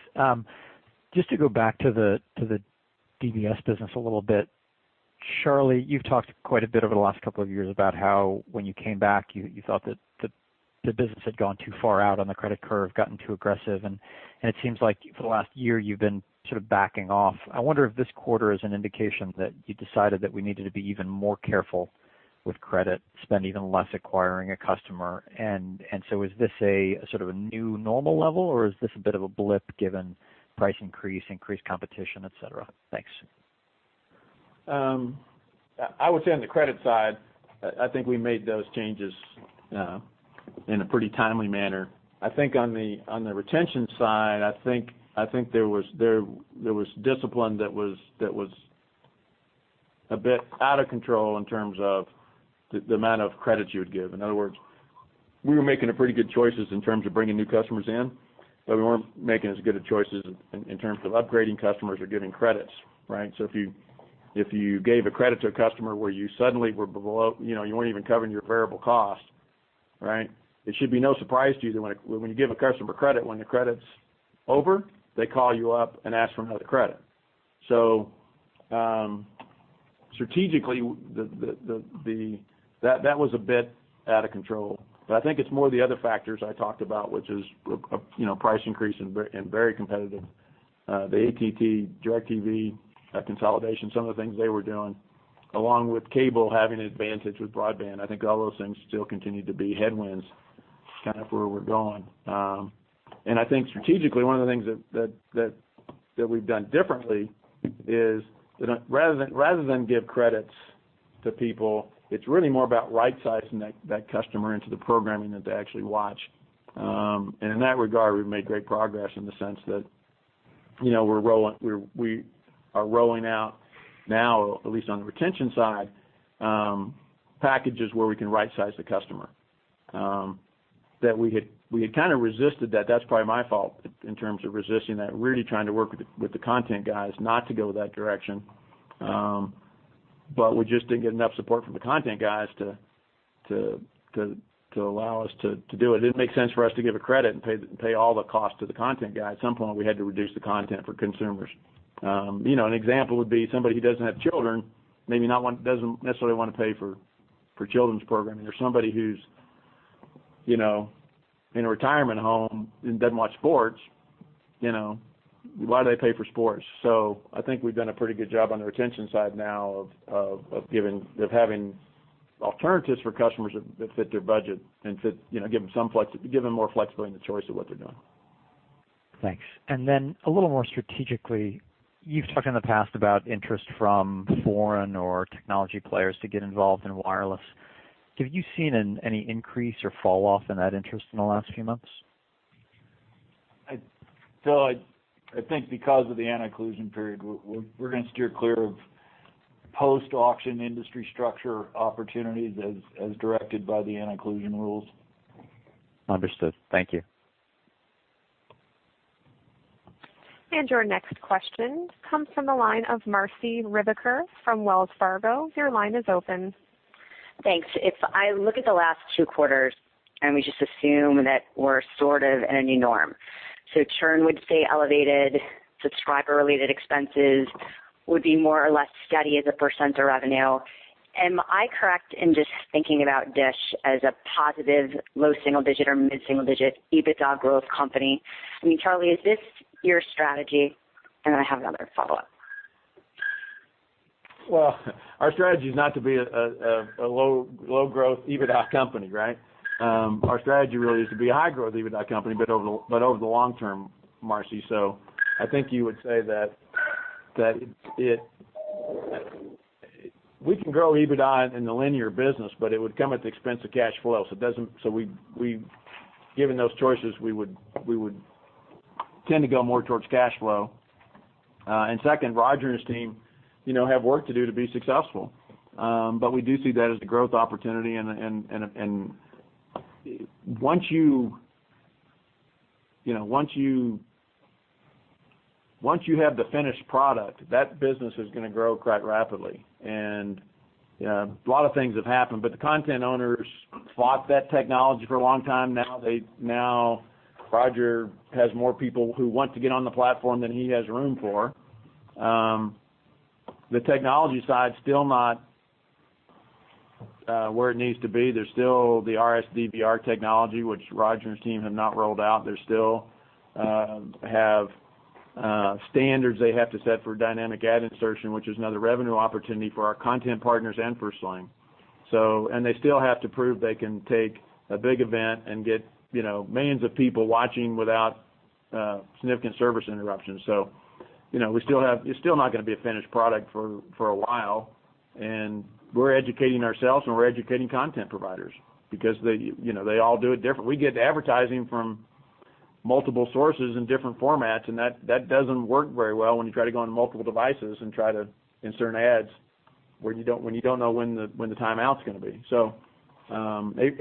Speaker 15: Just to go back to the DBS business a little bit. Charlie, you've talked quite a bit over the last couple of years about how when you came back, you thought that the business had gone too far out on the credit curve, gotten too aggressive, it seems like for the last year, you've been sort of backing off. I wonder if this quarter is an indication that you decided that we needed to be even more careful with credit, spend even less acquiring a customer. So is this a sort of a new normal level, or is this a bit of a blip given price increase, increased competition, et cetera? Thanks.
Speaker 7: I would say on the credit side, I think we made those changes in a pretty timely manner. I think on the, on the retention side, I think there was discipline that was a bit out of control in terms of the amount of credit you would give. In other words, we were making a pretty good choices in terms of bringing new customers in. We weren't making as good of choices in terms of upgrading customers or giving credits, right? If you, if you gave a credit to a customer where you suddenly were below, you know, you weren't even covering your variable cost, right? It should be no surprise to you that when you give a customer credit, when the credit's over, they call you up and ask for another credit. Strategically the that was a bit out of control. I think it's more of the other factors I talked about, which is, you know, price increase and very competitive. The AT&T, DirecTV, consolidation, some of the things they were doing, along with cable having an advantage with broadband, I think all those things still continue to be headwinds, kind of where we're going. I think strategically, one of the things that we've done differently is that rather than give credits to people, it's really more about right-sizing that customer into the programming that they actually watch. In that regard, we've made great progress in the sense that, you know, we are rolling out now, at least on the retention side, packages where we can right-size the customer. That we had, we had kind of resisted that. That's probably my fault in terms of resisting that. Really trying to work with the content guys not to go that direction. We just didn't get enough support from the content guys to allow us to do it. It didn't make sense for us to give a credit and pay all the cost to the content guy. At some point, we had to reduce the content for consumers. You know, an example would be somebody who doesn't have children, doesn't necessarily want to pay for children's programming or somebody who's, you know, in a retirement home and doesn't watch sports, you know, why do they pay for sports? I think we've done a pretty good job on the retention side now of having alternatives for customers that fit their budget and fit, you know, give them more flexibility in the choice of what they're doing.
Speaker 15: Thanks. Then a little more strategically, you've talked in the past about interest from foreign or technology players to get involved in wireless. Have you seen any increase or fall off in that interest in the last few months?
Speaker 7: I think because of the anti-collusion period, we're gonna steer clear of post-auction industry structure opportunities as directed by the anti-collusion rules.
Speaker 15: Understood. Thank you.
Speaker 1: Your next question comes from the line of Marci Ryvicker from Wells Fargo. Your line is open.
Speaker 16: Thanks. If I look at the last two quarters, we just assume that we're sort of in a new norm, churn would stay elevated, subscriber related expenses would be more or less steady as a percent of revenue. Am I correct in just thinking about Dish as a positive low single-digit or mid-single-digit EBITDA growth company? I mean, Charlie, is this your strategy? Then I have another follow-up.
Speaker 7: Well, our strategy is not to be a low growth EBITDA company, right? Our strategy really is to be a high growth EBITDA company, over the long term, Marci. I think you would say that we can grow EBITDA in the linear business, but it would come at the expense of cash flow. Given those choices, we would tend to go more towards cash flow. Second, Roger and his team, you know, have work to do to be successful. We do see that as a growth opportunity and Once you know, once you have the finished product, that business is gonna grow quite rapidly. You know, a lot of things have happened, but the content owners fought that technology for a long time now. Roger has more people who want to get on the platform than he has room for. The technology side is still not where it needs to be. There's still the RS-DVR technology, which Roger and his team have not rolled out. They still have standards they have to set for dynamic ad insertion, which is another revenue opportunity for our content partners and for Sling. They still have to prove they can take a big event and get, you know, millions of people watching without significant service interruptions. You know, it's still not gonna be a finished product for a while, and we're educating ourselves and we're educating content providers because they, you know, they all do it different. We get advertising from multiple sources in different formats, and that doesn't work very well when you try to go into multiple devices and try to insert ads when you don't know when the timeout's gonna be.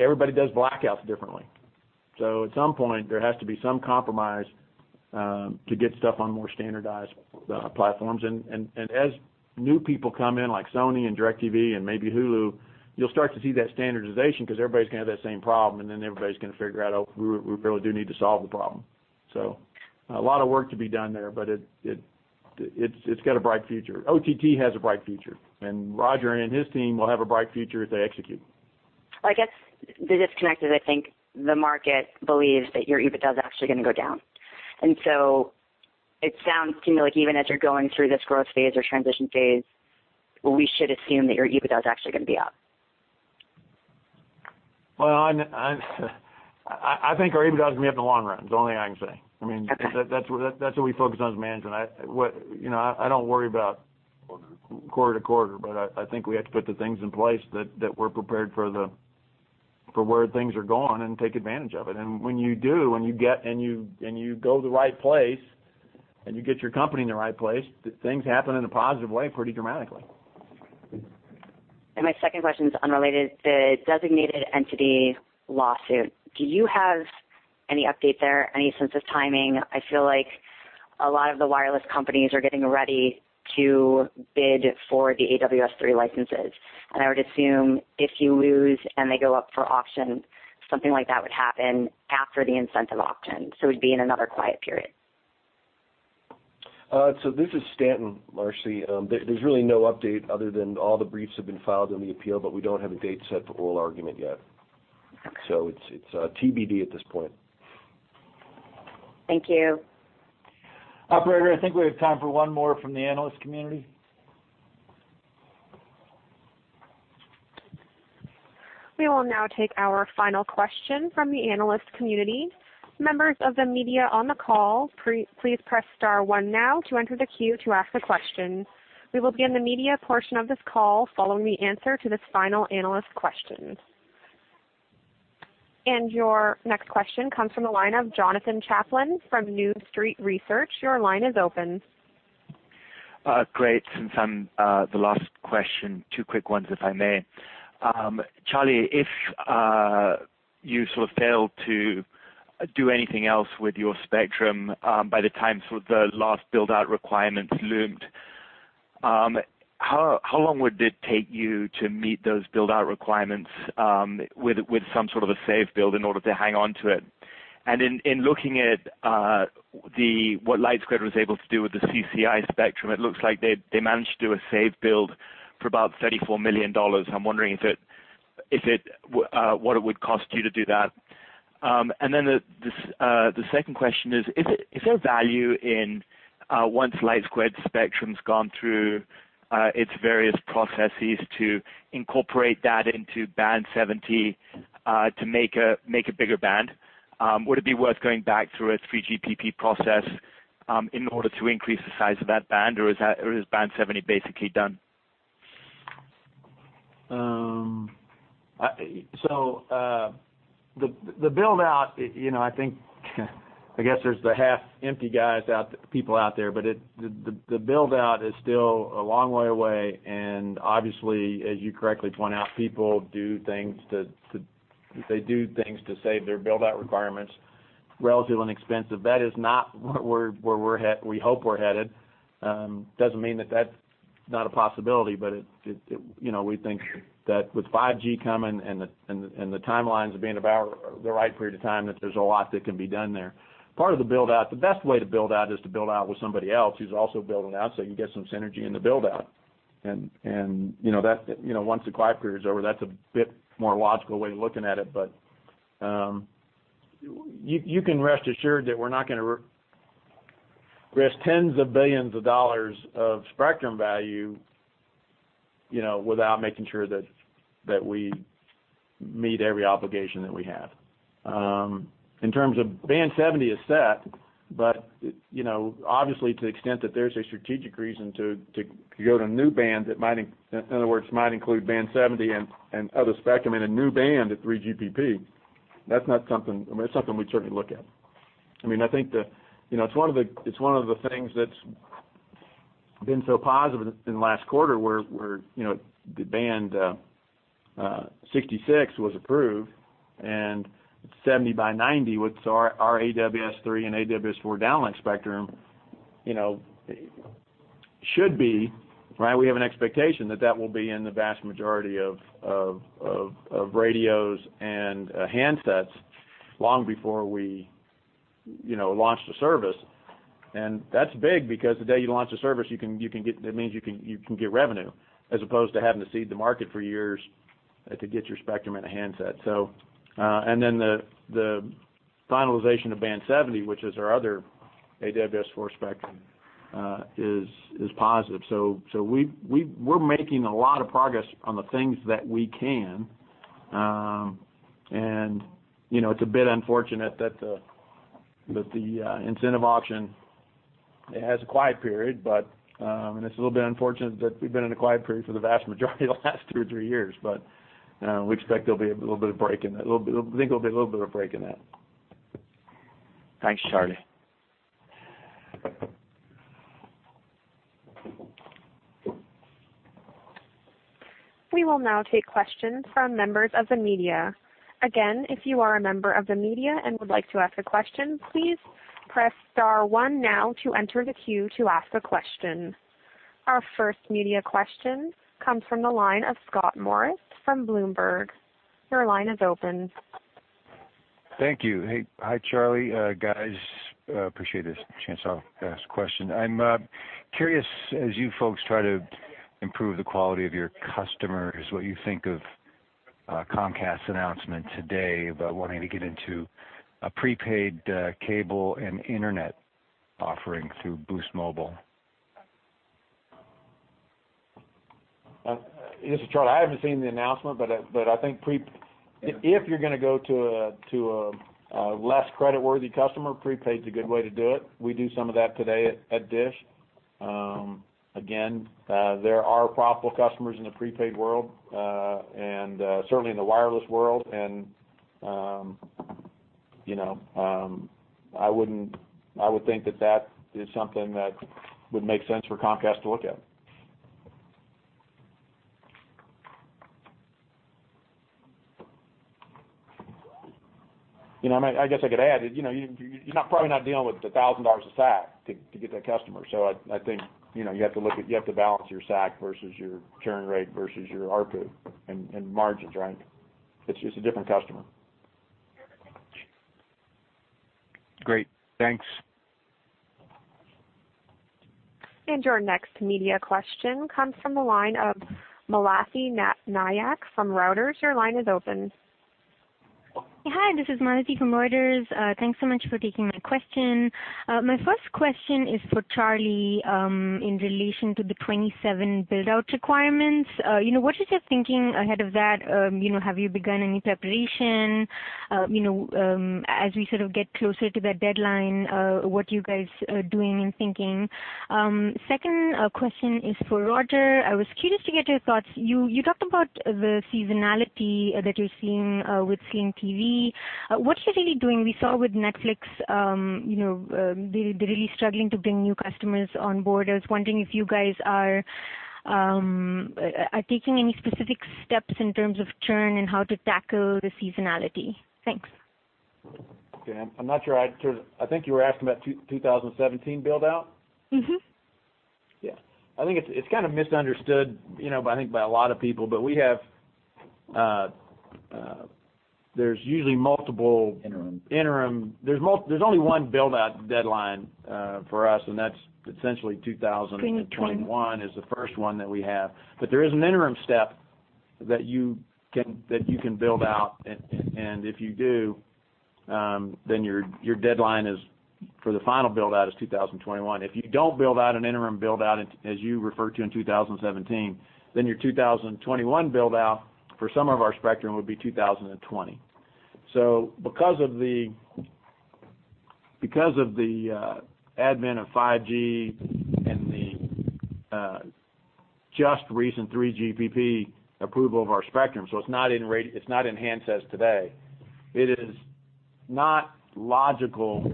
Speaker 7: Everybody does blackouts differently. At some point, there has to be some compromise to get stuff on more standardized platforms. As new people come in, like Sony and DirecTV and maybe Hulu, you'll start to see that standardization because everybody's gonna have that same problem, and then everybody's gonna figure out, "Oh, we really do need to solve the problem." A lot of work to be done there, but it's got a bright future. OTT has a bright future, and Roger and his team will have a bright future if they execute.
Speaker 16: I guess the disconnect is, I think the market believes that your EBITDA is actually gonna go down. It sounds to me like even as you're going through this growth phase or transition phase, we should assume that your EBITDA is actually gonna be up.
Speaker 7: Well, I think our EBITDA is gonna be up in the long run. It's only thing I can say. I mean.
Speaker 16: Okay.
Speaker 7: That's what we focus on as management. You know, I don't worry about quarter to quarter, but I think we have to put the things in place that were prepared for where things are going and take advantage of it. When you do and you go to the right place and you get your company in the right place, things happen in a positive way pretty dramatically.
Speaker 16: My second question is unrelated. The designated entity lawsuit, do you have any update there? Any sense of timing? I feel like a lot of the wireless companies are getting ready to bid for the AWS-3 licenses. I would assume if you lose and they go up for auction, something like that would happen after the incentive auction, so it'd be in another quiet period.
Speaker 3: This is Stanton, Marci. There's really no update other than all the briefs have been filed in the appeal, but we don't have a date set for oral argument yet. It's TBD at this point.
Speaker 16: Thank you.
Speaker 2: Operator, I think we have time for one more from the analyst community.
Speaker 1: We will now take our final question from the analyst community. Members of the media on the call, please press star one now to enter the queue to ask a question. We will begin the media portion of this call following the answer to this final analyst question. Your next question comes from the line of Jonathan Chaplin from New Street Research. Your line is open.
Speaker 17: Great. Since I'm the last question, Two quick ones, if I may. Charlie, if you sort of failed to do anything else with your spectrum, by the time sort of the last build-out requirements loomed, how long would it take you to meet those build-out requirements with some sort of a safe build in order to hang on to it? In looking at what LightSquared was able to do with the CCI spectrum, it looks like they managed to do a safe build for about $34 million. I'm wondering is it what it would cost you to do that? The second question is there value in once LightSquared spectrum's gone through its various processes to incorporate that into Band 70 to make a bigger band? Would it be worth going back through a 3GPP process in order to increase the size of that band, or is Band 70 basically done?
Speaker 7: I guess there's the half empty guys out, people out there, the build-out is still a long way away, and obviously, as you correctly point out, people do things to, they do things to save their build-out requirements, relatively inexpensive. That is not where we hope we're headed. Doesn't mean that that's not a possibility, you know, we think that with 5G coming and the timelines being about the right period of time, that there's a lot that can be done there. Part of the build-out, the best way to build out is to build out with somebody else who's also building out, you can get some synergy in the build-out. You know, once the quiet period is over, that's a bit more logical way of looking at it. You can rest assured that we're not gonna risk $10s of billions of spectrum value, you know, without making sure that we meet every obligation that we have. In terms of Band 70 is set, but, you know, obviously, to the extent that there's a strategic reason to go to new bands that might in other words, might include Band 70 and other spectrum in a new band at 3GPP, that's not something, I mean, that's something we'd certainly look at. I mean, I think the, you know, it's one of the, it's one of the things that's been so positive in the last quarter where, you know, Band 66 was approved and Band 70, which is our AWS-3 and AWS-4 downlink spectrum, you know, should be, right? We have an expectation that that will be in the vast majority of radios and handsets long before we, you know, launch the service. That's big because the day you launch a service, you can get, that means you can get revenue as opposed to having to seed the market for years to get your spectrum and a handset. Then the finalization of Band 70, which is our other AWS-4 spectrum, is positive. We're making a lot of progress on the things that we can. You know, it's a bit unfortunate that the incentive auction, it has a quiet period. It's a little bit unfortunate that we've been in a quiet period for the vast majority of the last two or three years. We expect there'll be a little bit of break in that. I think there'll be a little bit of a break in that.
Speaker 17: Thanks, Charlie.
Speaker 1: We will now take questions from members of the media. Again, if you are a member of the media and would like to ask a question, please press star one now to enter the queue to ask a question. Our first media question comes from the line of Scott Moritz from Bloomberg. Your line is open.
Speaker 18: Thank you. Hey. Hi, Charlie. Guys, appreciate this chance I'll ask a question. I'm curious as you folks try to improve the quality of your customers, what you think of Comcast's announcement today about wanting to get into a prepaid cable and internet offering through Boost Mobile.
Speaker 7: This is Charlie. I haven't seen the announcement, but I think if you're gonna go to a less creditworthy customer, prepaid is a good way to do it. We do some of that today at DISH. Again, there are profitable customers in the prepaid world, and certainly in the wireless world. You know, I would think that that is something that would make sense for Comcast to look at. You know, I guess I could add, you know, you're probably not dealing with the $1,000 a stack to get that customer. I think, you know, you have to balance your stack versus your churn rate versus your ARPU and margins, right? It's just a different customer.
Speaker 18: Great. Thanks.
Speaker 1: Your next media question comes from the line of Malathi Nayak from Reuters. Your line is open.
Speaker 19: Hi, this is Malathi from Reuters. Thanks so much for taking my question. My first question is for Charlie in relation to the 27 build-out requirements. You know, what is your thinking ahead of that? You know, have you begun any preparation? You know, as we sort of get closer to that deadline, what you guys are doing and thinking. Second, question is for Roger. I was curious to get your thoughts. You talked about the seasonality that you're seeing with Sling TV. What you're really doing, we saw with Netflix, you know, they're really struggling to bring new customers on board. I was wondering if you guys are taking any specific steps in terms of churn and how to tackle the seasonality. Thanks.
Speaker 7: Okay. I'm not sure I think you were asking about 2017 build-out. Yeah. I think it's kind of misunderstood, you know, I think by a lot of people. We have, there's usually multiple-
Speaker 5: Interim
Speaker 7: interim. There's only one build-out deadline for us, and that's essentially 2021 is the first one that we have. There is an interim step that you can build out, and if you do, then your deadline is, for the final build-out is 2021. If you don't build out an interim build out as you refer to in 2017, then your 2021 build-out for some of our spectrum would be 2020. Because of the advent of 5G and the just recent 3GPP approval of our spectrum, it's not in handsets today. It is not logical,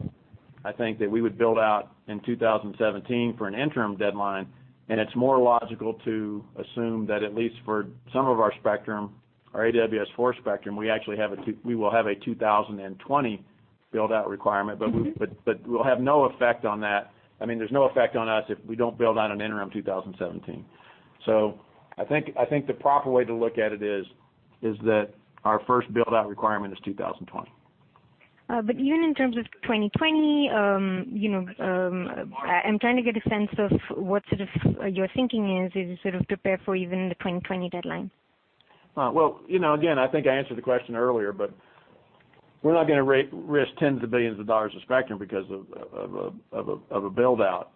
Speaker 7: I think, that we would build out in 2017 for an interim deadline, and it's more logical to assume that at least for some of our spectrum, our AWS-4 spectrum, we actually have a we will have a 2020 build-out requirement. We'll have no effect on that. I mean, there's no effect on us if we don't build out an interim 2017. I think the proper way to look at it is that our first build-out requirement is 2020.
Speaker 19: Even in terms of 2020, you know, I'm trying to get a sense of what sort of your thinking is as you sort of prepare for even the 2020 deadline.
Speaker 7: Well, you know, again, I think I answered the question earlier, we're not gonna risk $10s of billions of spectrum because of a build-out.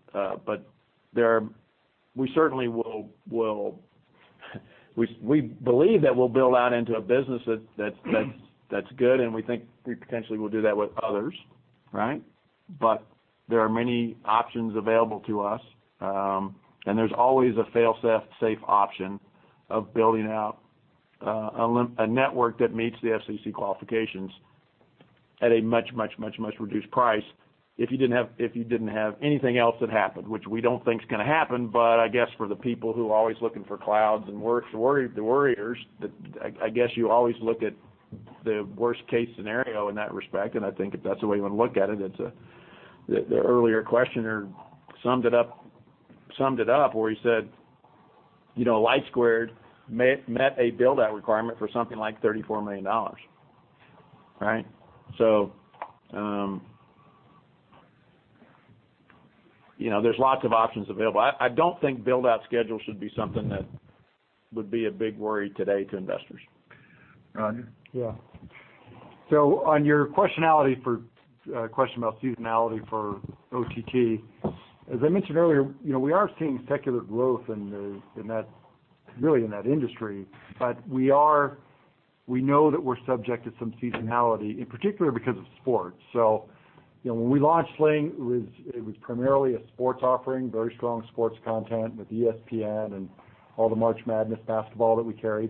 Speaker 7: We certainly believe that we'll build out into a business that's good, and we think we potentially will do that with others, right? There are many options available to us. There's always a fail-safe option of building out a network that meets the FCC qualifications at a much reduced price if you didn't have anything else that happened, which we don't think is gonna happen. I guess for the people who are always looking for clouds and worriers, I guess you always look at the worst case scenario in that respect, and I think if that's the way you wanna look at it's. The earlier questioner summed it up where he said, you know, LightSquared met a build-out requirement for something like $34 million, right? You know, there's lots of options available. I don't think build-out schedule should be something that would be a big worry today to investors. Roger?
Speaker 5: Yeah. On your question about seasonality for OTT, as I mentioned earlier, you know, we are seeing secular growth in that industry. We know that we're subject to some seasonality, in particular because of sports. You know, when we launched Sling, it was primarily a sports offering, very strong sports content with ESPN and all the March Madness basketball that we carried.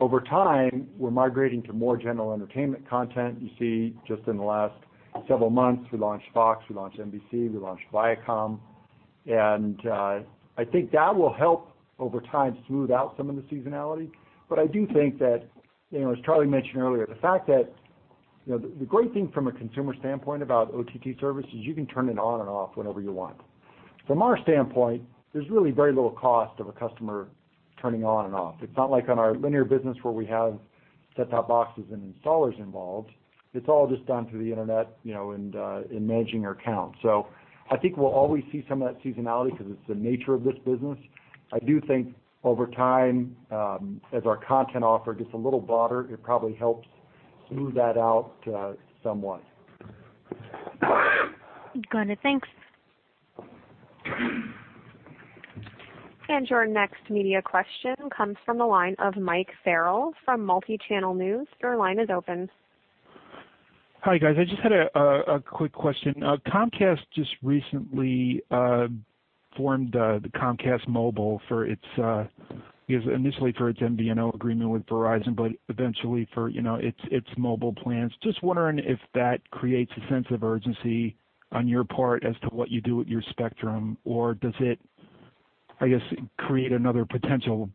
Speaker 5: Over time, we're migrating to more general entertainment content. You see, just in the last several months, we launched Fox, we launched NBC, we launched Viacom. I think that will help over time smooth out some of the seasonality. I do think that, you know, as Charlie mentioned earlier, the fact that, you know, the great thing from a consumer standpoint about OTT service is you can turn it on and off whenever you want. From our standpoint, there's really very little cost of a customer turning on and off. It's not like on our linear business where we have set-top boxes and installers involved. It's all just done through the Internet, and managing your account. I think we'll always see some of that seasonality because it's the nature of this business. I do think over time, as our content offer gets a little broader, it probably helps smooth that out somewhat.
Speaker 19: Got it. Thanks.
Speaker 1: Your next media question comes from the line of Mike Farrell from Multichannel News.
Speaker 20: Hi, guys. I just had a quick question. Comcast just recently Formed the Xfinity Mobile for its I guess initially for its MVNO agreement with Verizon, but eventually for, you know, its mobile plans. Just wondering if that creates a sense of urgency on your part as to what you do with your spectrum or does it, create another potential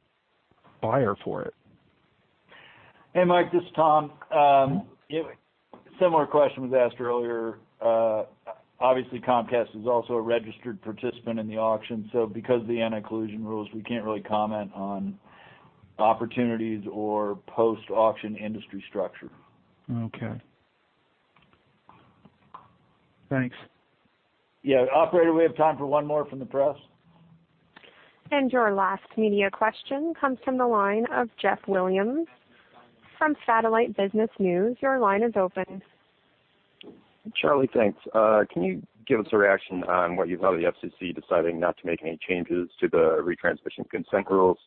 Speaker 20: buyer for it?
Speaker 11: Hey, Mike, this is Tom. Yeah, similar question was asked earlier. Obviously, Comcast is also a registered participant in the auction, because of the anti-collusion rules, we can't really comment on opportunities or post-auction industry structure.
Speaker 20: Okay. Thanks.
Speaker 7: Yeah. Operator, we have time for one more from the press.
Speaker 1: Your last media question comes from the line of Jeff Williams from Satellite Business News. Your line is open.
Speaker 21: Charlie, thanks. Can you give us a reaction on what you thought of the FCC deciding not to make any changes to the retransmission consent rules?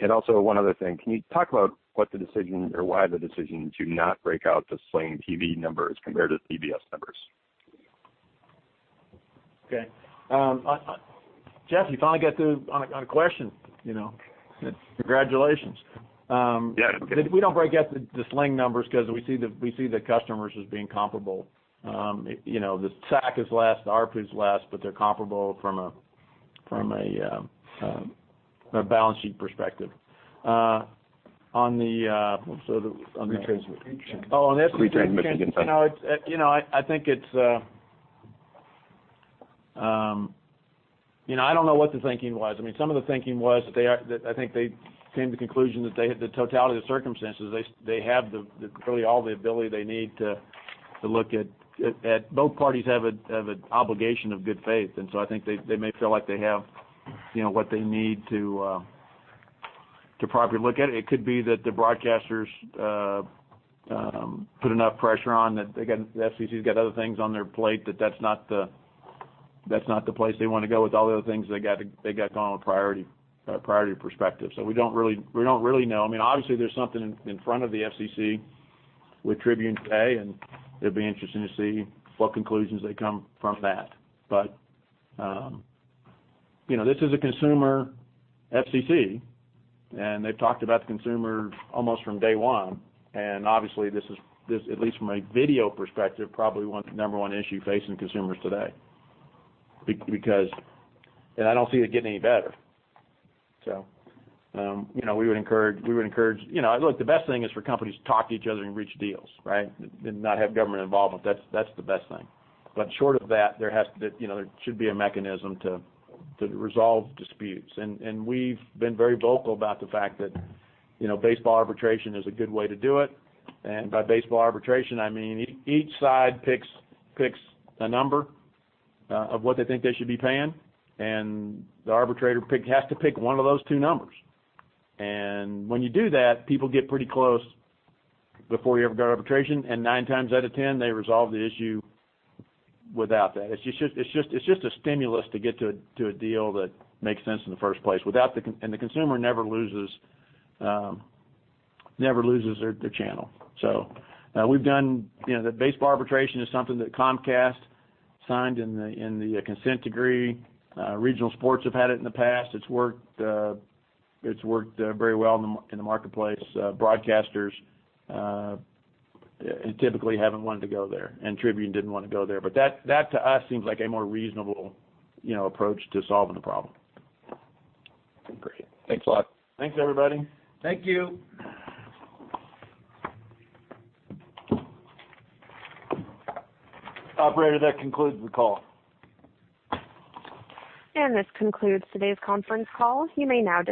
Speaker 21: One other thing, can you talk about what the decision or why the decision to not break out the Sling TV numbers compared to the DBS numbers?
Speaker 7: Okay. I Jeff, you finally got the, on a question, you know. Congratulations.
Speaker 21: Yeah.
Speaker 7: We don't break out the Sling numbers 'cause we see the customers as being comparable. You know, the SAC is less, the RPU is less, but they're comparable from a balance sheet perspective.
Speaker 21: Retransmission.
Speaker 5: Retransmission.
Speaker 7: Oh, on retransmission.
Speaker 5: Retransmission consent.
Speaker 7: You know, I think it's You know, I don't know what the thinking was. I mean, some of the thinking was that I think they came to conclusion that they had the totality of the circumstances. They have the, really all the ability they need to look at. Both parties have a, have an obligation of good faith. I think they may feel like they have, you know, what they need to properly look at it. It could be that the broadcasters put enough pressure on that the FCC's got other things on their plate that's not the place they wanna go with all the other things they got going with priority perspective. We don't really know. I mean, obviously, there's something in front of the FCC with Tribune today, and it'll be interesting to see what conclusions they come from that. You know, this is a consumer FCC, and they've talked about the consumer almost from day one. Obviously, this is, at least from a video perspective, probably one of the number one issue facing consumers today. Because I don't see it getting any better. You know, we would encourage, you know, look, the best thing is for companies to talk to each other and reach deals, right? Not have government involvement. That's the best thing. Short of that, there has to be, you know, there should be a mechanism to resolve disputes. We've been very vocal about the fact that, you know, baseball arbitration is a good way to do it. By baseball arbitration, I mean, each side picks a number of what they think they should be paying, and the arbitrator has to pick one of those two numbers. When you do that, people get pretty close before you ever go to arbitration, and nine times out of ten, they resolve the issue without that. It's just a stimulus to get to a deal that makes sense in the first place. Without the consumer never loses, never loses their channel. We've done, you know, the baseball arbitration is something that Comcast signed in the consent decree. Regional Sports have had it in the past. It's worked very well in the marketplace. Broadcasters, typically haven't wanted to go there, and Tribune didn't wanna go there. That, that to us seems like a more reasonable, you know, approach to solving the problem.
Speaker 21: Great. Thanks a lot.
Speaker 7: Thanks, everybody.
Speaker 5: Thank you.
Speaker 2: Operator, that concludes the call.
Speaker 1: This concludes today's conference call. You may now disconnect.